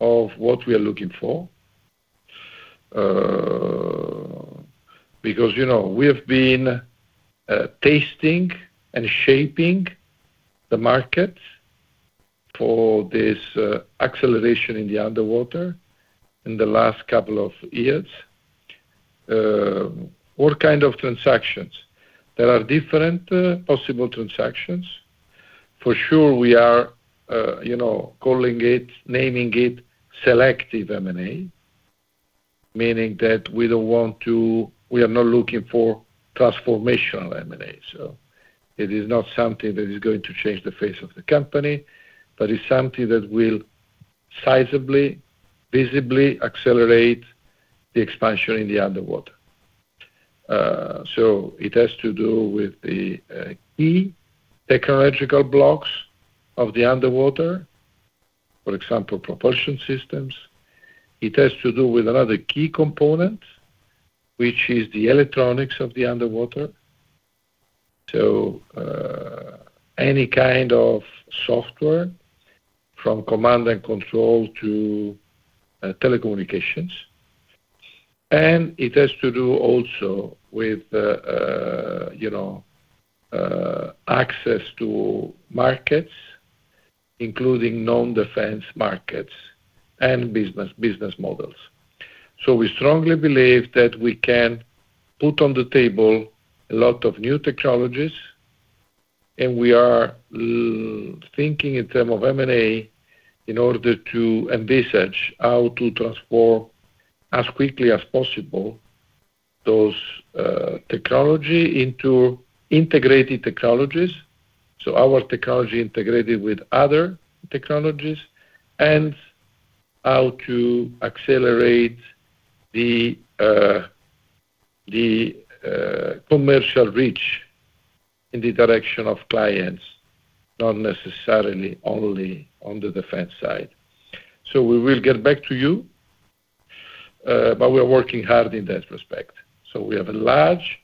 of what we are looking for because, you know, we have been testing and shaping the market for this acceleration in the underwater in the last couple of years. All kind of transactions. There are different possible transactions. For sure we are, you know, calling it, naming it selective M&A, meaning that we are not looking for transformational M&A. It is not something that is going to change the face of the company, but it's something that will sizably, visibly accelerate the expansion in the underwater. It has to do with the key technological blocks of the underwater, for example, propulsion systems. It has to do with another key component, which is the electronics of the underwater. Any kind of software from command and control to telecommunications. It has to do also with, you know, access to markets, including non-defense markets and business models. We strongly believe that we can put on the table a lot of new technologies, and we are thinking in terms of M&A in order to envisage how to transform as quickly as possible those technology into integrated technologies. Our technology integrated with other technologies and how to accelerate the commercial reach in the direction of clients, not necessarily only on the defense side. We will get back to you, but we are working hard in that respect. We have a large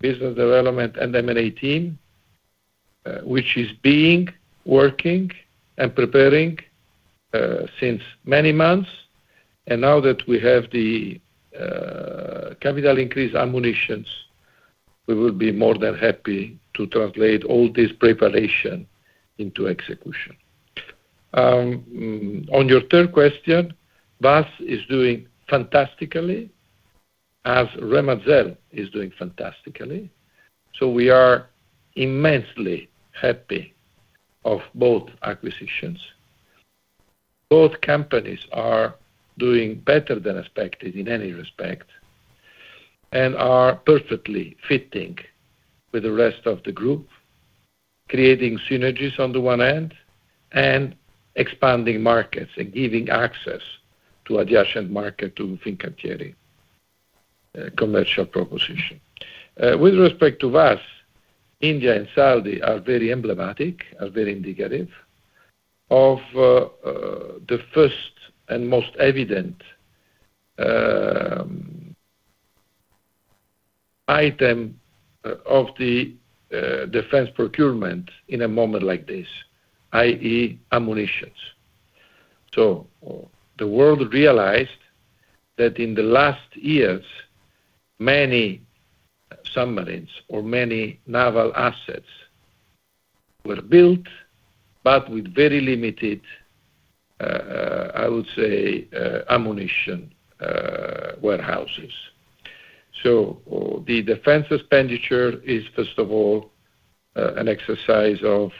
business development and M&A team, which is working and preparing since many months. Now that we have the capital increase ammunitions, we will be more than happy to translate all this preparation into execution. On your third question, WASS is doing fantastically as Remazel is doing fantastically. We are immensely happy of both acquisitions. Both companies are doing better than expected in any respect and are perfectly fitting with the rest of the group, creating synergies on the one hand and expanding markets and giving access to adjacent market to Fincantieri commercial proposition. With respect to WASS, India and Saudi are very emblematic, are very indicative of the first and most evident item of the defense procurement in a moment like this, i.e., ammunition. The world realized that in the last years, many submarines or many naval assets were built, but with very limited, I would say, ammunition warehouses. The defense expenditure is, first of all, an exercise of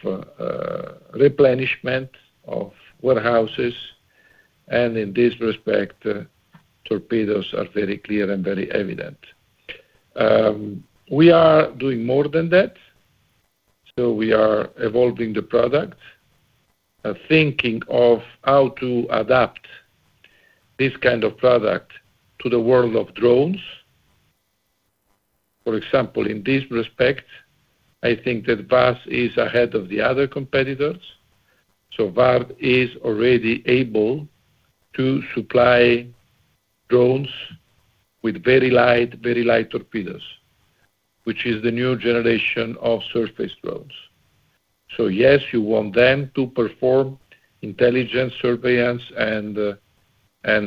replenishment of warehouses. In this respect, torpedoes are very clear and very evident. We are doing more than that. We are evolving the product. Thinking of how to adapt this kind of product to the world of drones. For example, in this respect, I think that WASS is ahead of the other competitors. WASS is already able to supply drones with very light torpedoes, which is the new generation of surface drones. Yes, you want them to perform intelligence, surveillance, and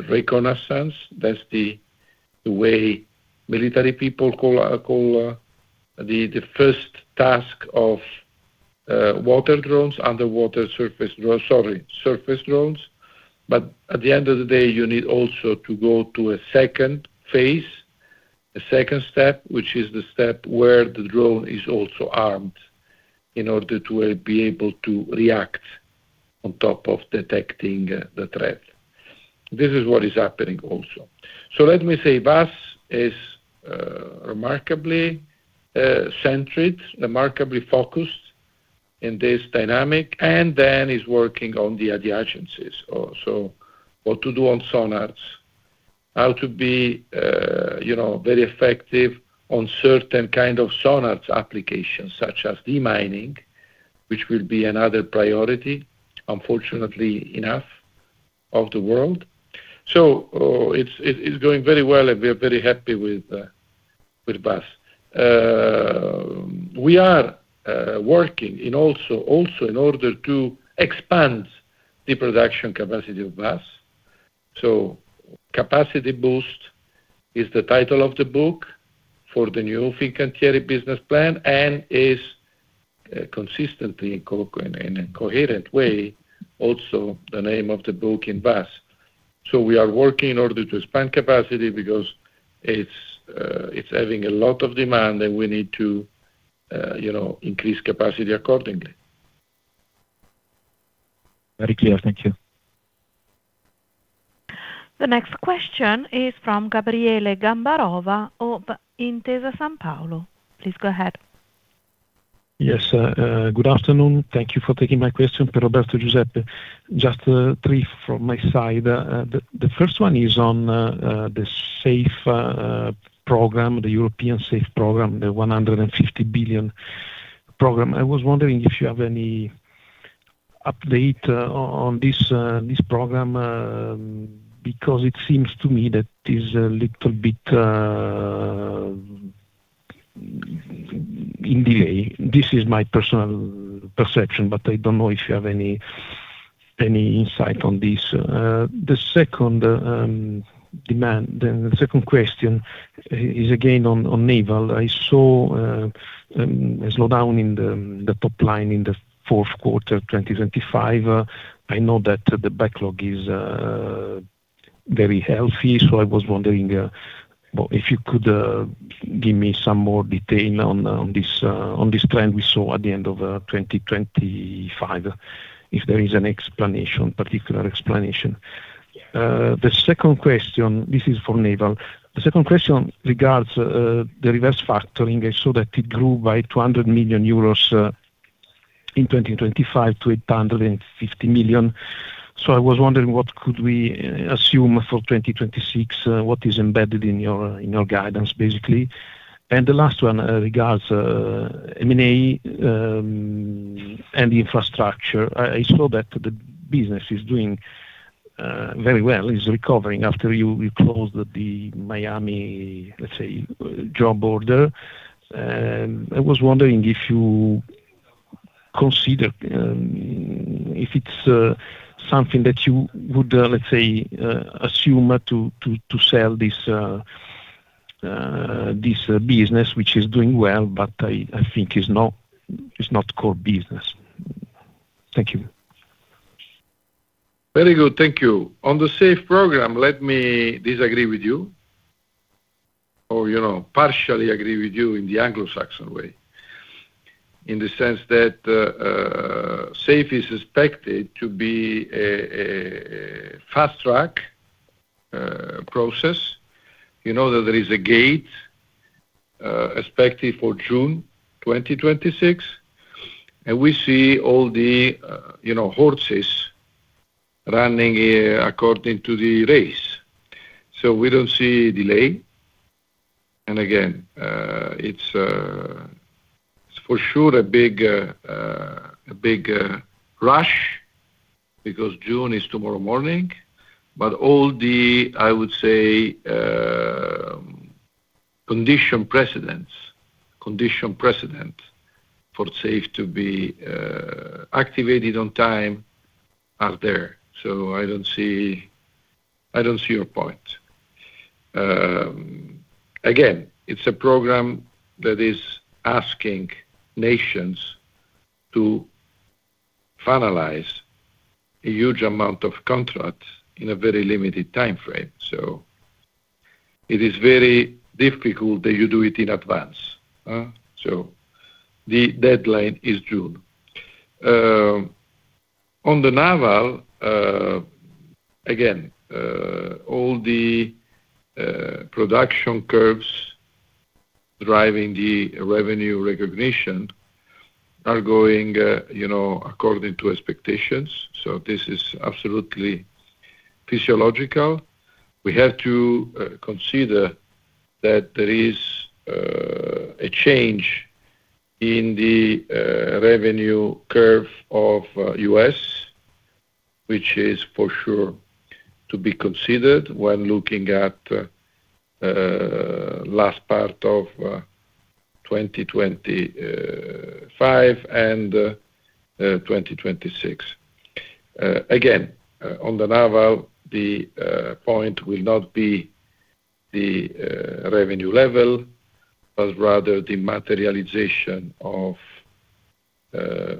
reconnaissance. That's the way military people call the first task of surface drones. At the end of the day, you need also to go to a second phase, a second step, which is the step where the drone is also armed in order to be able to react on top of detecting the threat. This is what is happening also. Let me say, WASS is remarkably centric, remarkably focused in this dynamic, and then is working on the adjacencies also. What to do on sonars. How to be, you know, very effective on certain kind of sonars applications, such as demining, which will be another priority, unfortunately enough, of the world. It's going very well, and we're very happy with WASS. We are working and also in order to expand the production capacity of WASS. Capacity boost is the title of the book for the new Fincantieri business plan and is consistently in a coherent way, also the name of the book in WASS. We are working in order to expand capacity because it's having a lot of demand, and we need to, you know, increase capacity accordingly. Very clear. Thank you. The next question is from Gabriele Gambarova of Intesa Sanpaolo. Please go ahead. Yes. Good afternoon. Thank you for taking my question, Pierroberto, Giuseppe. Just three from my side. The first one is on the SAFE program, the European SAFE program, the 150 billion program. I was wondering if you have any update on this program, because it seems to me that is a little bit in delay. This is my personal perception, but I don't know if you have any insight on this. The second one, the second question is again on naval. I saw a slowdown in the top line in the fourth quarter, 2025. I know that the backlog is very healthy, so I was wondering, well, if you could give me some more detail on this trend we saw at the end of 2025, if there is an explanation, particular explanation. The second question, this is for naval. The second question regards the reverse factoring. I saw that it grew by 200 million euros in 2025 to 850 million. I was wondering what could we assume for 2026? What is embedded in your guidance, basically. The last one regards M&A and infrastructure. I saw that the business is doing very well, is recovering after you closed the Miami, let's say, job order. I was wondering if you consider if it's something that you would, let's say, assume to sell this business, which is doing well, but I think is not core business. Thank you. Very good. Thank you. On the SAFE program, let me disagree with you, or you know, partially agree with you in the Anglo-Saxon way, in the sense that SAFE is expected to be a fast-track process. You know that there is a gate expected for June 2026, and we see all the, you know, horses running according to the race. We don't see delay. It's for sure a big rush because June is tomorrow morning. But all the, I would say, condition precedent for SAFE to be activated on time are there. I don't see your point. It's a program that is asking nations to finalize a huge amount of contracts in a very limited time frame. It is very difficult that you do it in advance, huh. The deadline is June. On the naval, again, all the production curves driving the revenue recognition are going, you know, according to expectations. This is absolutely physiological. We have to consider that there is a change in the revenue curve of U.S., which is for sure to be considered when looking at last part of 2025 and 2026. Again, on the naval, the point will not be the revenue level, but rather the materialization of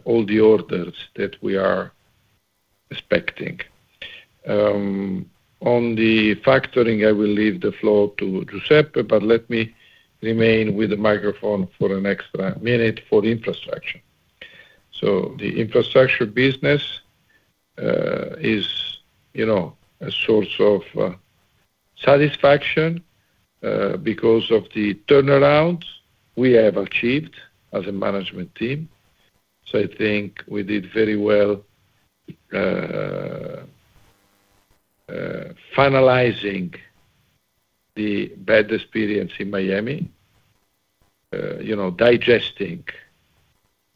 all the orders that we are expecting. On the factoring, I will leave the floor to Giuseppe but let me remain with the microphone for an extra minute for the infrastructure. The infrastructure business is, you know, a source of satisfaction because of the turnarounds we have achieved as a management team. I think we did very well finalizing the bad experience in Miami, you know, digesting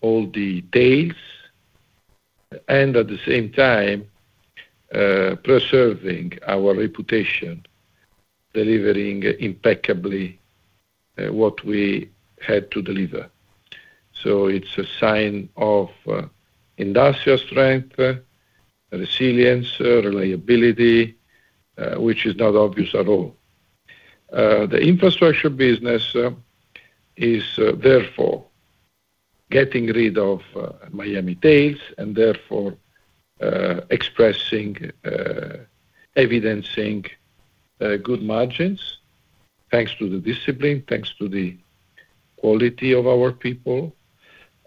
all the tails and at the same time preserving our reputation, delivering impeccably what we had to deliver. It's a sign of industrial strength, resilience, reliability, which is not obvious at all. The infrastructure business is therefore getting rid of Miami tails and therefore expressing, evidencing good margins, thanks to the discipline, thanks to the quality of our people.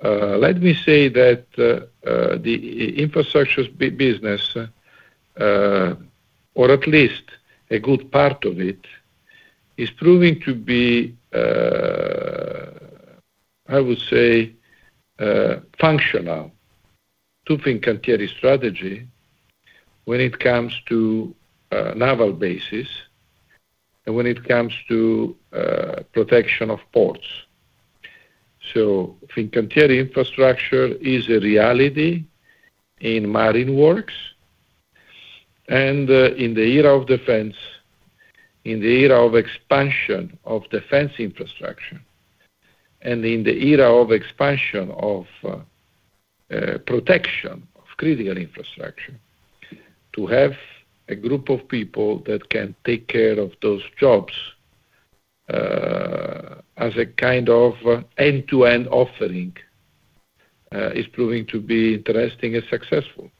Let me say that the infrastructure business, or at least a good part of it, is proving to be, I would say, functional to Fincantieri strategy when it comes to naval bases and when it comes to protection of ports. Fincantieri Infrastructure is a reality in marine works and in the era of defense, in the era of expansion of defense infrastructure, and in the era of expansion of protection of critical infrastructure. To have a group of people that can take care of those jobs as a kind of end-to-end offering is proving to be interesting and successful.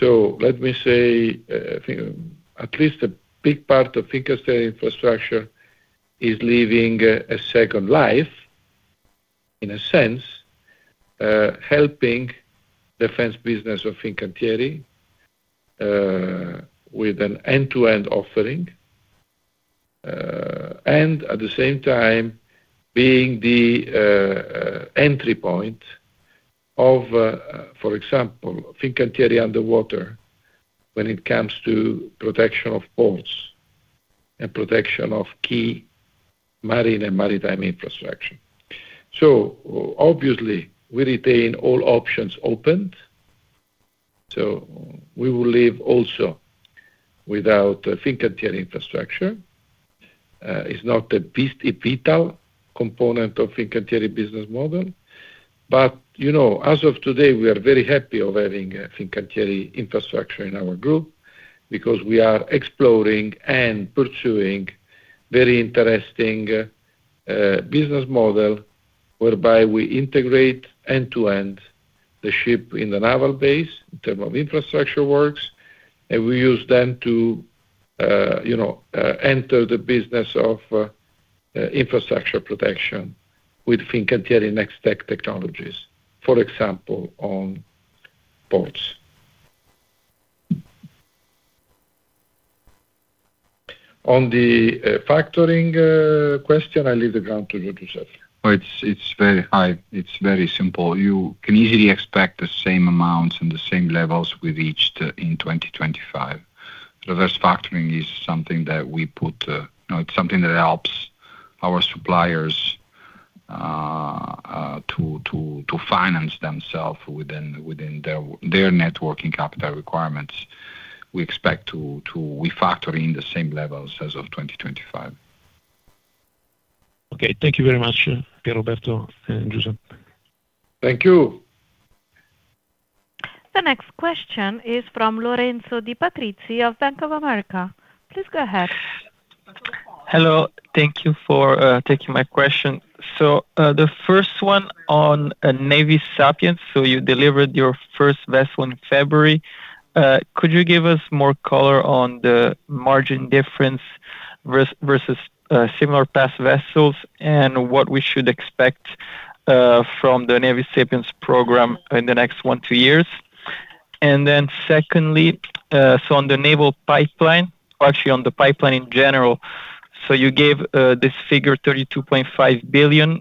Let me say, I think at least a big part of Fincantieri Infrastructure is living a second life, in a sense, helping defense business of Fincantieri with an end-to-end offering. At the same time, being the entry point of for example Fincantieri underwater when it comes to protection of ports and protection of key marine and maritime infrastructure. Obviously, we retain all options opened. We will live also without Fincantieri Infrastructure. It's not a vital component of Fincantieri business model. But you know, as of today, we are very happy of having Fincantieri Infrastructure in our group because we are exploring and pursuing very interesting business model, whereby we integrate end to end the ship in the naval base in term of infrastructure works. We use them to you know enter the business of infrastructure protection with Fincantieri NexTech technologies, for example, on ports. On the factoring question, I leave the ground to Giuseppe. Oh, it's very high. It's very simple. You can easily expect the same amounts and the same levels with each in 2025. Reverse factoring is something that we put, you know, it's something that helps our suppliers. To finance themselves within their net working capital requirements, we expect to factor in the same levels as of 2025. Okay. Thank you very much, Pierroberto and Giuseppe. Thank you. The next question is from Lorenzo Di Patrizi of Bank of America. Please go ahead. Hello. Thank you for taking my question. The first one on Navis Sapiens. You delivered your first vessel in February. Could you give us more color on the margin difference versus similar PPA vessels and what we should expect from the Navis Sapiens program in the next one to two years? Secondly, on the naval pipeline or actually on the pipeline in general. You gave this figure 32.5 billion.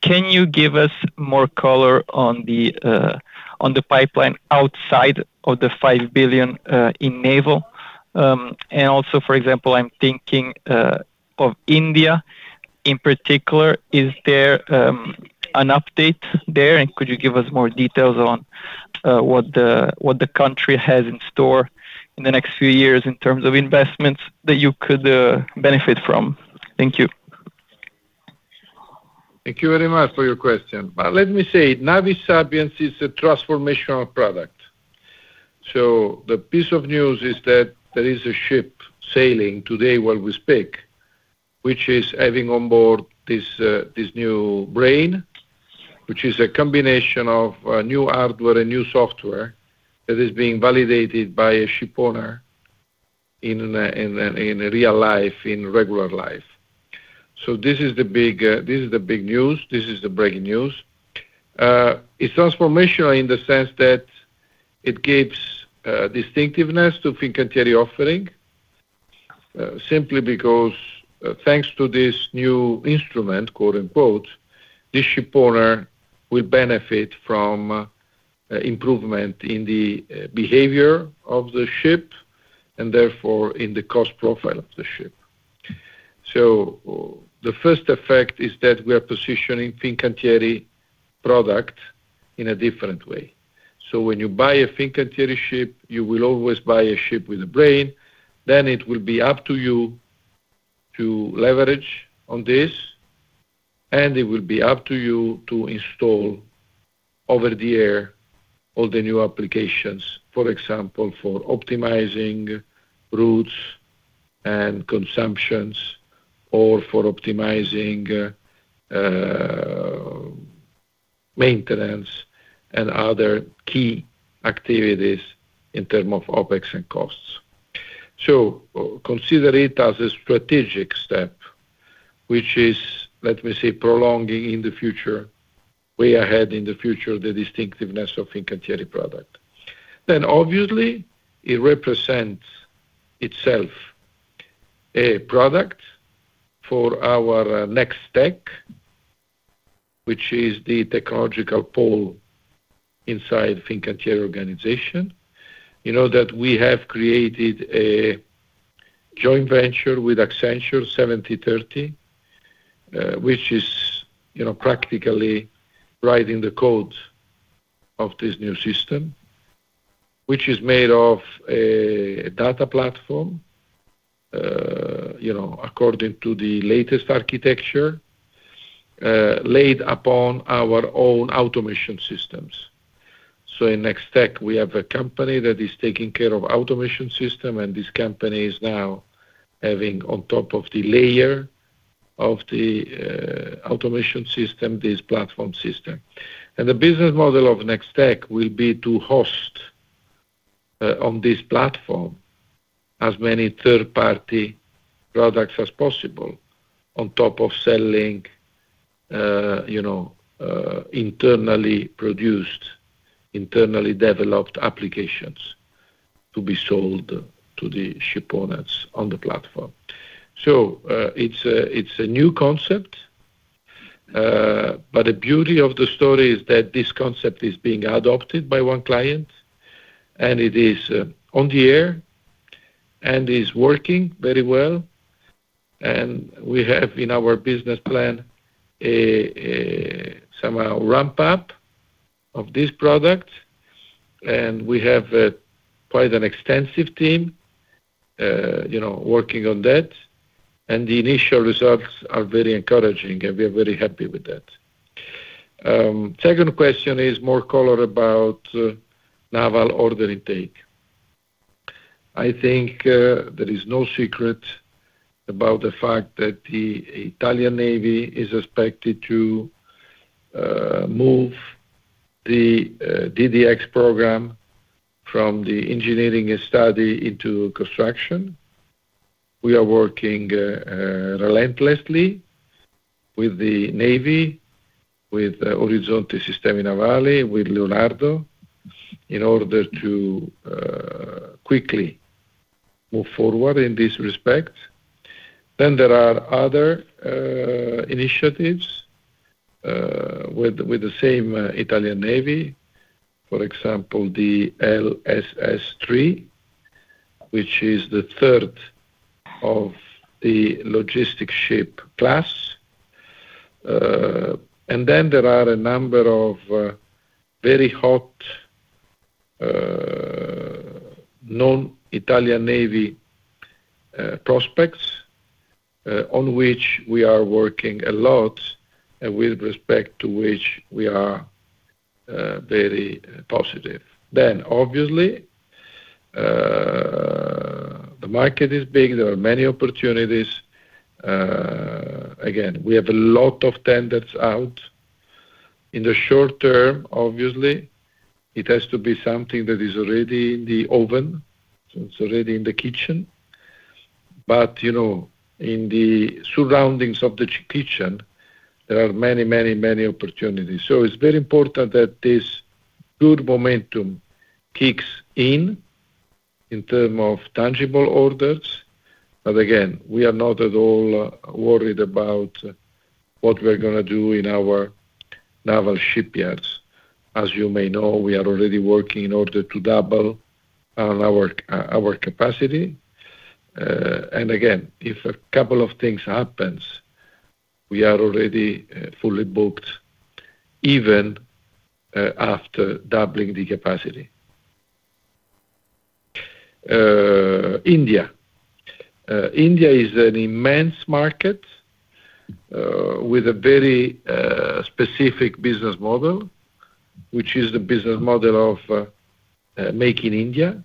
Can you give us more color on the pipeline outside of the 5 billion in naval? Also, for example, I'm thinking of India in particular. Is there an update there? Could you give us more details on what the country has in store in the next few years in terms of investments that you could benefit from? Thank you. Thank you very much for your question. Let me say Navis Sapiens is a transformational product. The piece of news is that there is a ship sailing today while we speak, which is having on board this new brain, which is a combination of new hardware and new software that is being validated by a shipowner in, in real life, in regular life. This is the big, this is the big news. This is the breaking news. It's transformational in the sense that it gives, distinctiveness to Fincantieri offering, simply because thanks to this new instrument, quote, unquote, "The shipowner will benefit from, improvement in the behavior of the ship and therefore in the cost profile of the ship." The first effect is that we are positioning Fincantieri product in a different way. When you buy a Fincantieri ship, you will always buy a ship with a brain. It will be up to you to leverage on this, and it will be up to you to install over the air all the new applications, for example, for optimizing routes and consumptions or for optimizing maintenance and other key activities in terms of OpEx and costs. Consider it as a strategic step, which is, let me say, prolonging in the future, way ahead in the future, the distinctiveness of Fincantieri product. Obviously, it represents itself a product for our NexTech, which is the technological pole inside Fincantieri organization. You know that we have created a joint venture with Accenture 70/30, which is, you know, practically writing the code of this new system, which is made of a data platform, you know, according to the latest architecture, laid upon our own automation systems. In NextTech, we have a company that is taking care of automation system, and this company is now having on top of the layer of the automation system, this platform system. The business model of NextTech will be to host, on this platform as many third-party products as possible on top of selling, you know, internally produced, internally developed applications to be sold to the shipowners on the platform. It's a new concept, but the beauty of the story is that this concept is being adopted by one client, and it is on the air and is working very well. We have in our business plan a somehow ramp-up of this product, and we have quite an extensive team, you know, working on that. The initial results are very encouraging, and we are very happy with that. Second question is more color about naval order intake. I think there is no secret about the fact that the Italian Navy is expected to move the DDX program from the engineering study into construction. We are working relentlessly with the Navy, with Orizzonte Sistemi Navali, with Leonardo, in order to quickly move forward in this respect. There are other initiatives with the same Italian Navy, for example, the LSS 3, which is the third of the logistic ship class. There are a number of very hot non-Italian Navy prospects on which we are working a lot and with respect to which we are very positive. Obviously, the market is big. There are many opportunities. Again, we have a lot of tenders out. In the short term, obviously, it has to be something that is already in the oven, it's already in the kitchen. You know, in the surroundings of the kitchen, there are many opportunities. It's very important that this good momentum kicks in in terms of tangible orders. Again, we are not at all worried about what we're gonna do in our naval shipyards. As you may know, we are already working in order to double our capacity. Again, if a couple of things happens, we are already fully booked even after doubling the capacity. India. India is an immense market with a very specific business model, which is the business model of Make in India.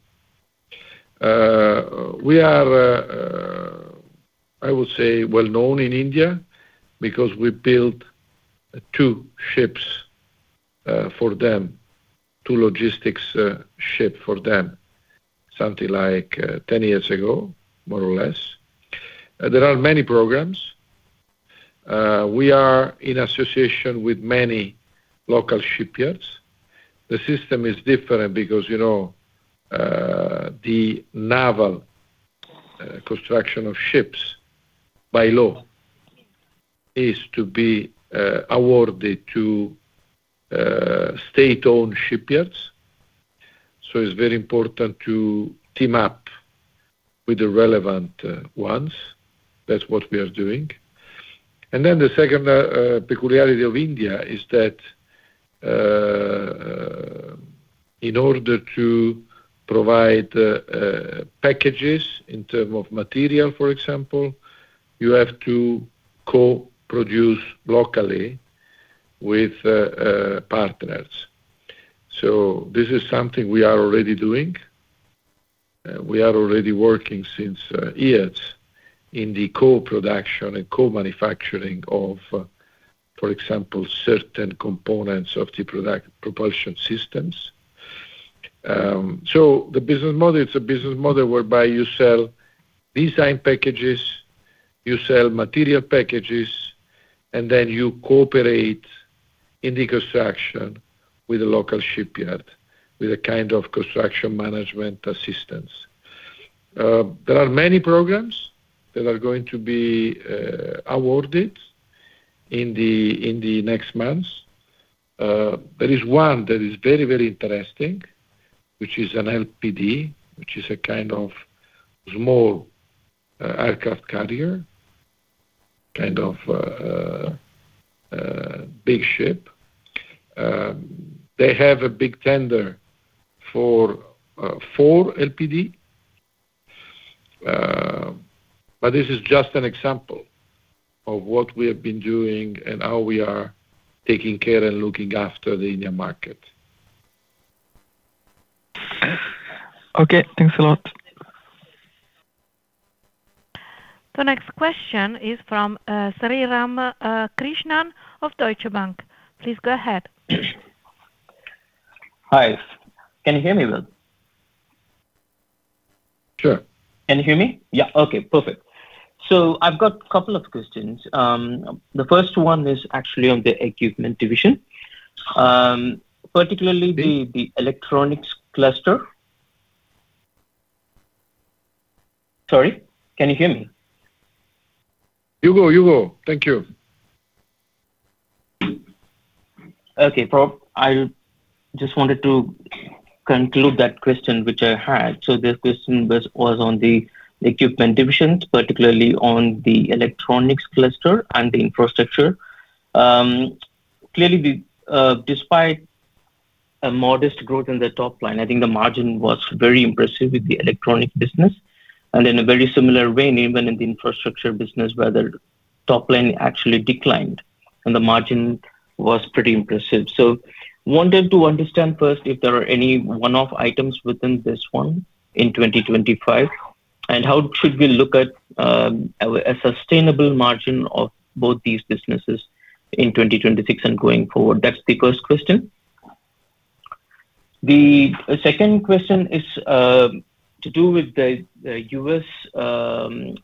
We are I would say well-known in India because we built two ships for them, two logistics ship for them, something like 10 years ago, more or less. There are many programs. We are in association with many local shipyards. The system is different because, you know, the naval construction of ships by law is to be awarded to state-owned shipyards. It's very important to team up with the relevant ones. That's what we are doing. The second peculiarity of India is that in order to provide packages in terms of material, for example, you have to co-produce locally with partners. This is something we are already doing. We are already working for years in the co-production and co-manufacturing of, for example, certain components of the product propulsion systems. The business model is a business model whereby you sell design packages, you sell material packages, and then you cooperate in the construction with a local shipyard, with a kind of construction management assistance. There are many programs that are going to be awarded in the next months. There is one that is very, very interesting, which is an LPD, which is a kind of small aircraft carrier, kind of big ship. They have a big tender for 4 LPD. This is just an example of what we have been doing and how we are taking care and looking after the India market. Okay, thanks a lot. The next question is from Sriram Krishnan of Deutsche Bank. Please go ahead. Hi. Can you hear me well? Sure. Can you hear me? Yeah. Okay, perfect. I've got couple of questions. The first one is actually on the equipment division. Particularly the electronics cluster. Sorry, can you hear me? You go. Thank you. Okay. I just wanted to conclude that question which I had. The question was on the equipment divisions, particularly on the electronics cluster and the infrastructure. Clearly, despite a modest growth in the top line, I think the margin was very impressive with the electronic business. In a very similar way, even in the infrastructure business where the top line actually declined and the margin was pretty impressive. Wanted to understand first if there are any one-off items within this one in 2025, and how should we look at a sustainable margin of both these businesses in 2026 and going forward? That's the first question. The second question is to do with the U.S.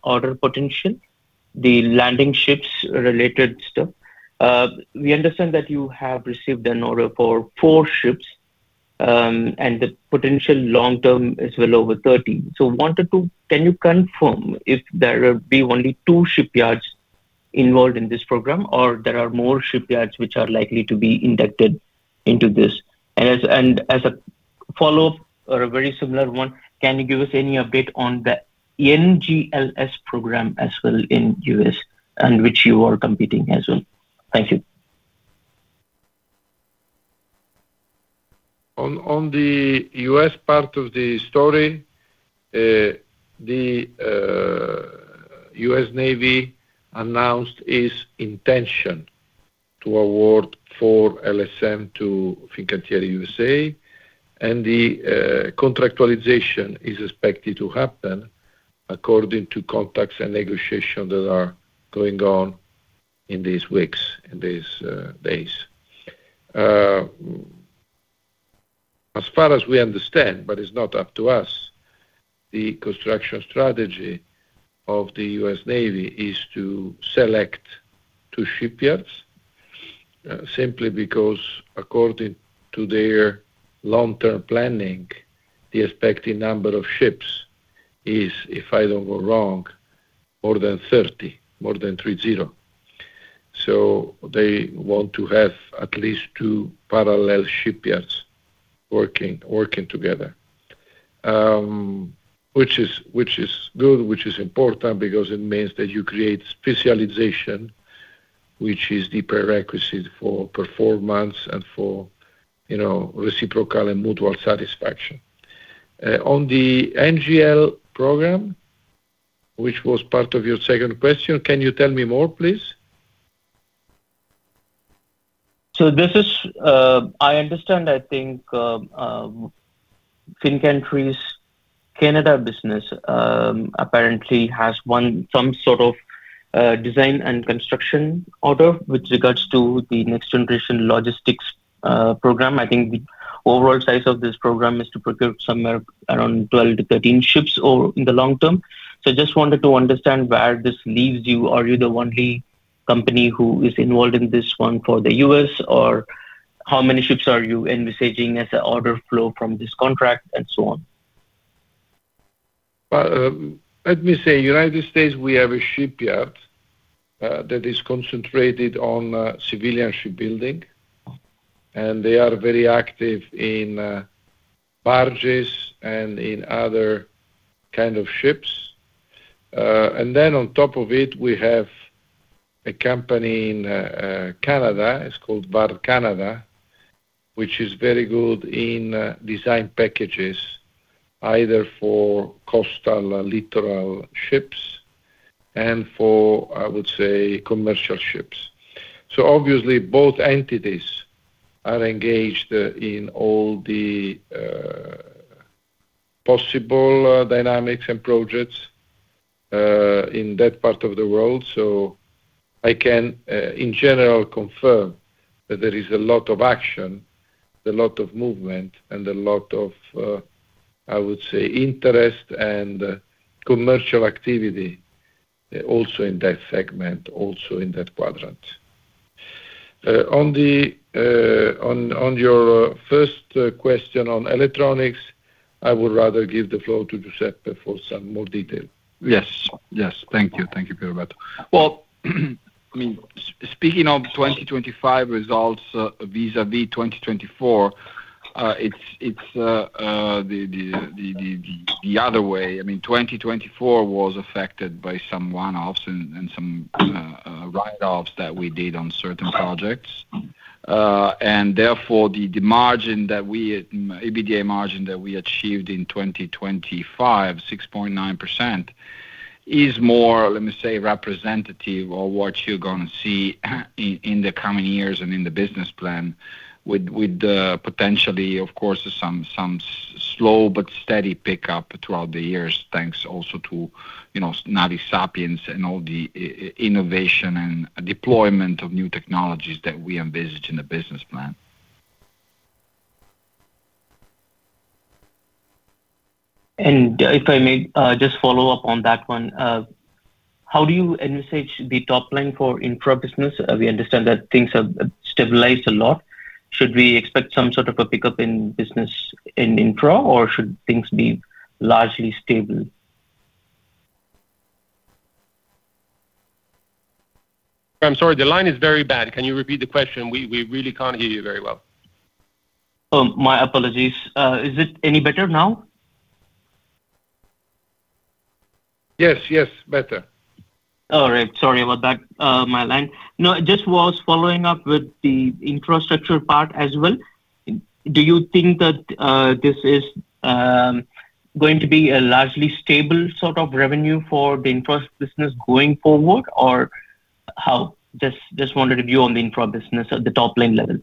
order potential, the landing ships related stuff. We understand that you have received an order for four ships, and the potential long term is well over 30. Can you confirm if there will be only two shipyards involved in this program, or there are more shipyards which are likely to be inducted into this? As a follow-up or a very similar one, can you give us any update on the NGLS program as well in U.S. and which you are competing as well? Thank you. On the U.S. part of the story, the U.S. Navy announced its intention to award 4 LSM to Fincantieri USA, and the contractualization is expected to happen according to contacts and negotiations that are going on in these weeks, in these days. As far as we understand, but it's not up to us, the construction strategy of the U.S. Navy is to select two shipyards, simply because according to their long-term planning, the expected number of ships is, if I don't go wrong, more than 30. They want to have at least two parallel shipyards working together. Which is good, which is important because it means that you create specialization, which is the prerequisite for performance and for, you know, reciprocal and mutual satisfaction. On the NGL program, which was part of your second question, can you tell me more, please? This is, I understand, I think, Fincantieri's Canada business, apparently has some sort of design and construction order with regards to the Next Generation Logistics program. I think the overall size of this program is to procure somewhere around 12-13 ships in the long term. Just wanted to understand where this leaves you. Are you the only company who is involved in this one for the U.S., or how many ships are you envisaging as an order flow from this contract and so on? Well, let me say, United States, we have a shipyard that is concentrated on civilian shipbuilding. They are very active in barges and in other kind of ships. On top of it, we have a company in Canada, it's called Vard Marine, which is very good in design packages, either for coastal or littoral ships and for, I would say, commercial ships. Obviously, both entities are engaged in all the possible dynamics and projects in that part of the world. I can in general confirm that there is a lot of action, a lot of movement, and a lot of, I would say, interest and commercial activity also in that segment, also in that quadrant. On your first question on electronics, I would rather give the floor to Giuseppe for some more detail. Yes. Thank you, Pierroberto. Well, I mean, speaking of 2025 results, vis-à-vis 2024, it's the other way. I mean, 2024 was affected by some one-offs and some write-offs that we did on certain projects. Therefore, the EBITDA margin that we achieved in 2025, 6.9%, is more, let me say, representative of what you're gonna see in the coming years and in the business plan with the potentially, of course, some slow but steady pickup throughout the years thanks also to, you know, Navis Sapiens and all the innovation and deployment of new technologies that we envisage in the business plan. If I may, just follow up on that one. How do you envisage the top line for infra business? We understand that things have stabilized a lot. Should we expect some sort of a pickup in business in infra or should things be largely stable? I'm sorry. The line is very bad. Can you repeat the question? We really can't hear you very well. My apologies. Is it any better now? Yes. Yes. Better. All right. Sorry about that, my line. No, just was following up with the infrastructure part as well. Do you think that this is going to be a largely stable sort of revenue for the infra business going forward or how? Just wanted a view on the infra business at the top line level.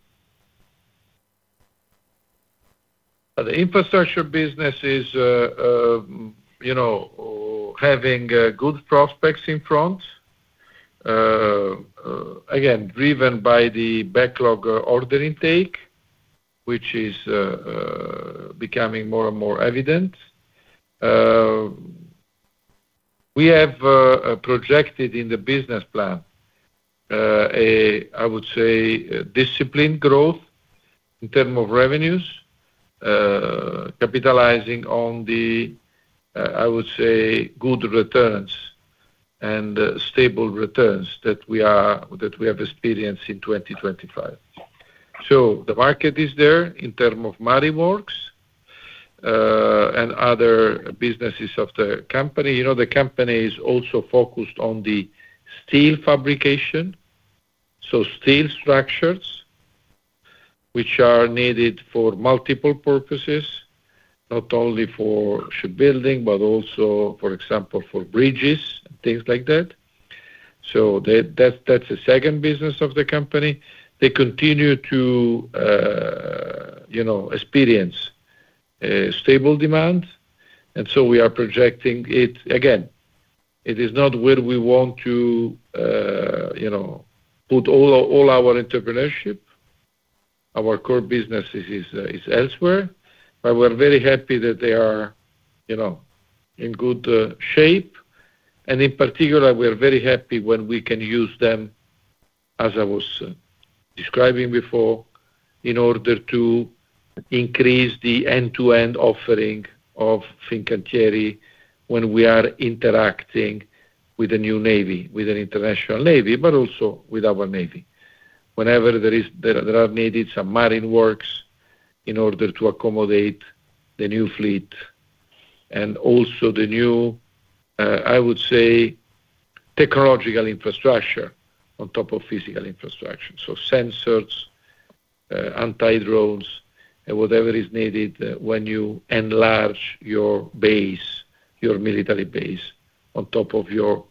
The infrastructure business is, you know, having good prospects in front. Again, driven by the backlog order intake, which is becoming more and more evident. We have projected in the business plan a, I would say, a disciplined growth in terms of revenues, capitalizing on the, I would say, good returns and stable returns that we have experienced in 2025. The market is there in terms of marine works and other businesses of the company. You know, the company is also focused on the steel fabrication. Steel structures, which are needed for multiple purposes, not only for shipbuilding, but also, for example, for bridges, things like that. That's the second business of the company. They continue to, you know, experience stable demand. We are projecting it. Again, it is not where we want to, you know, put all our entrepreneurship. Our core business is elsewhere. But we're very happy that they are, you know, in good shape. In particular, we are very happy when we can use them, as I was describing before, in order to increase the end-to-end offering of Fincantieri when we are interacting with a new navy, with an international navy, but also with our navy. Whenever there are needed some marine works in order to accommodate the new fleet and also the new, I would say, technological infrastructure on top of physical infrastructure. Sensors, anti-drones, and whatever is needed when you enlarge your base, your military base on top of your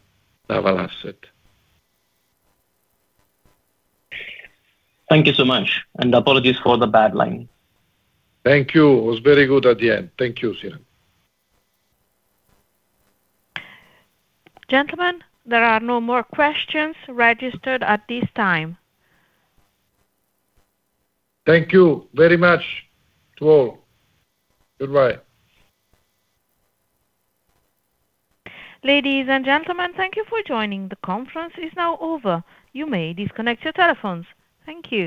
naval asset. Thank you so much, and apologies for the bad line. Thank you. It was very good at the end. Thank you, Sir. Gentlemen, there are no more questions registered at this time. Thank you very much to all. Goodbye. Ladies and gentlemen, thank you for joining. The conference is now over. You may disconnect your telephones. Thank you.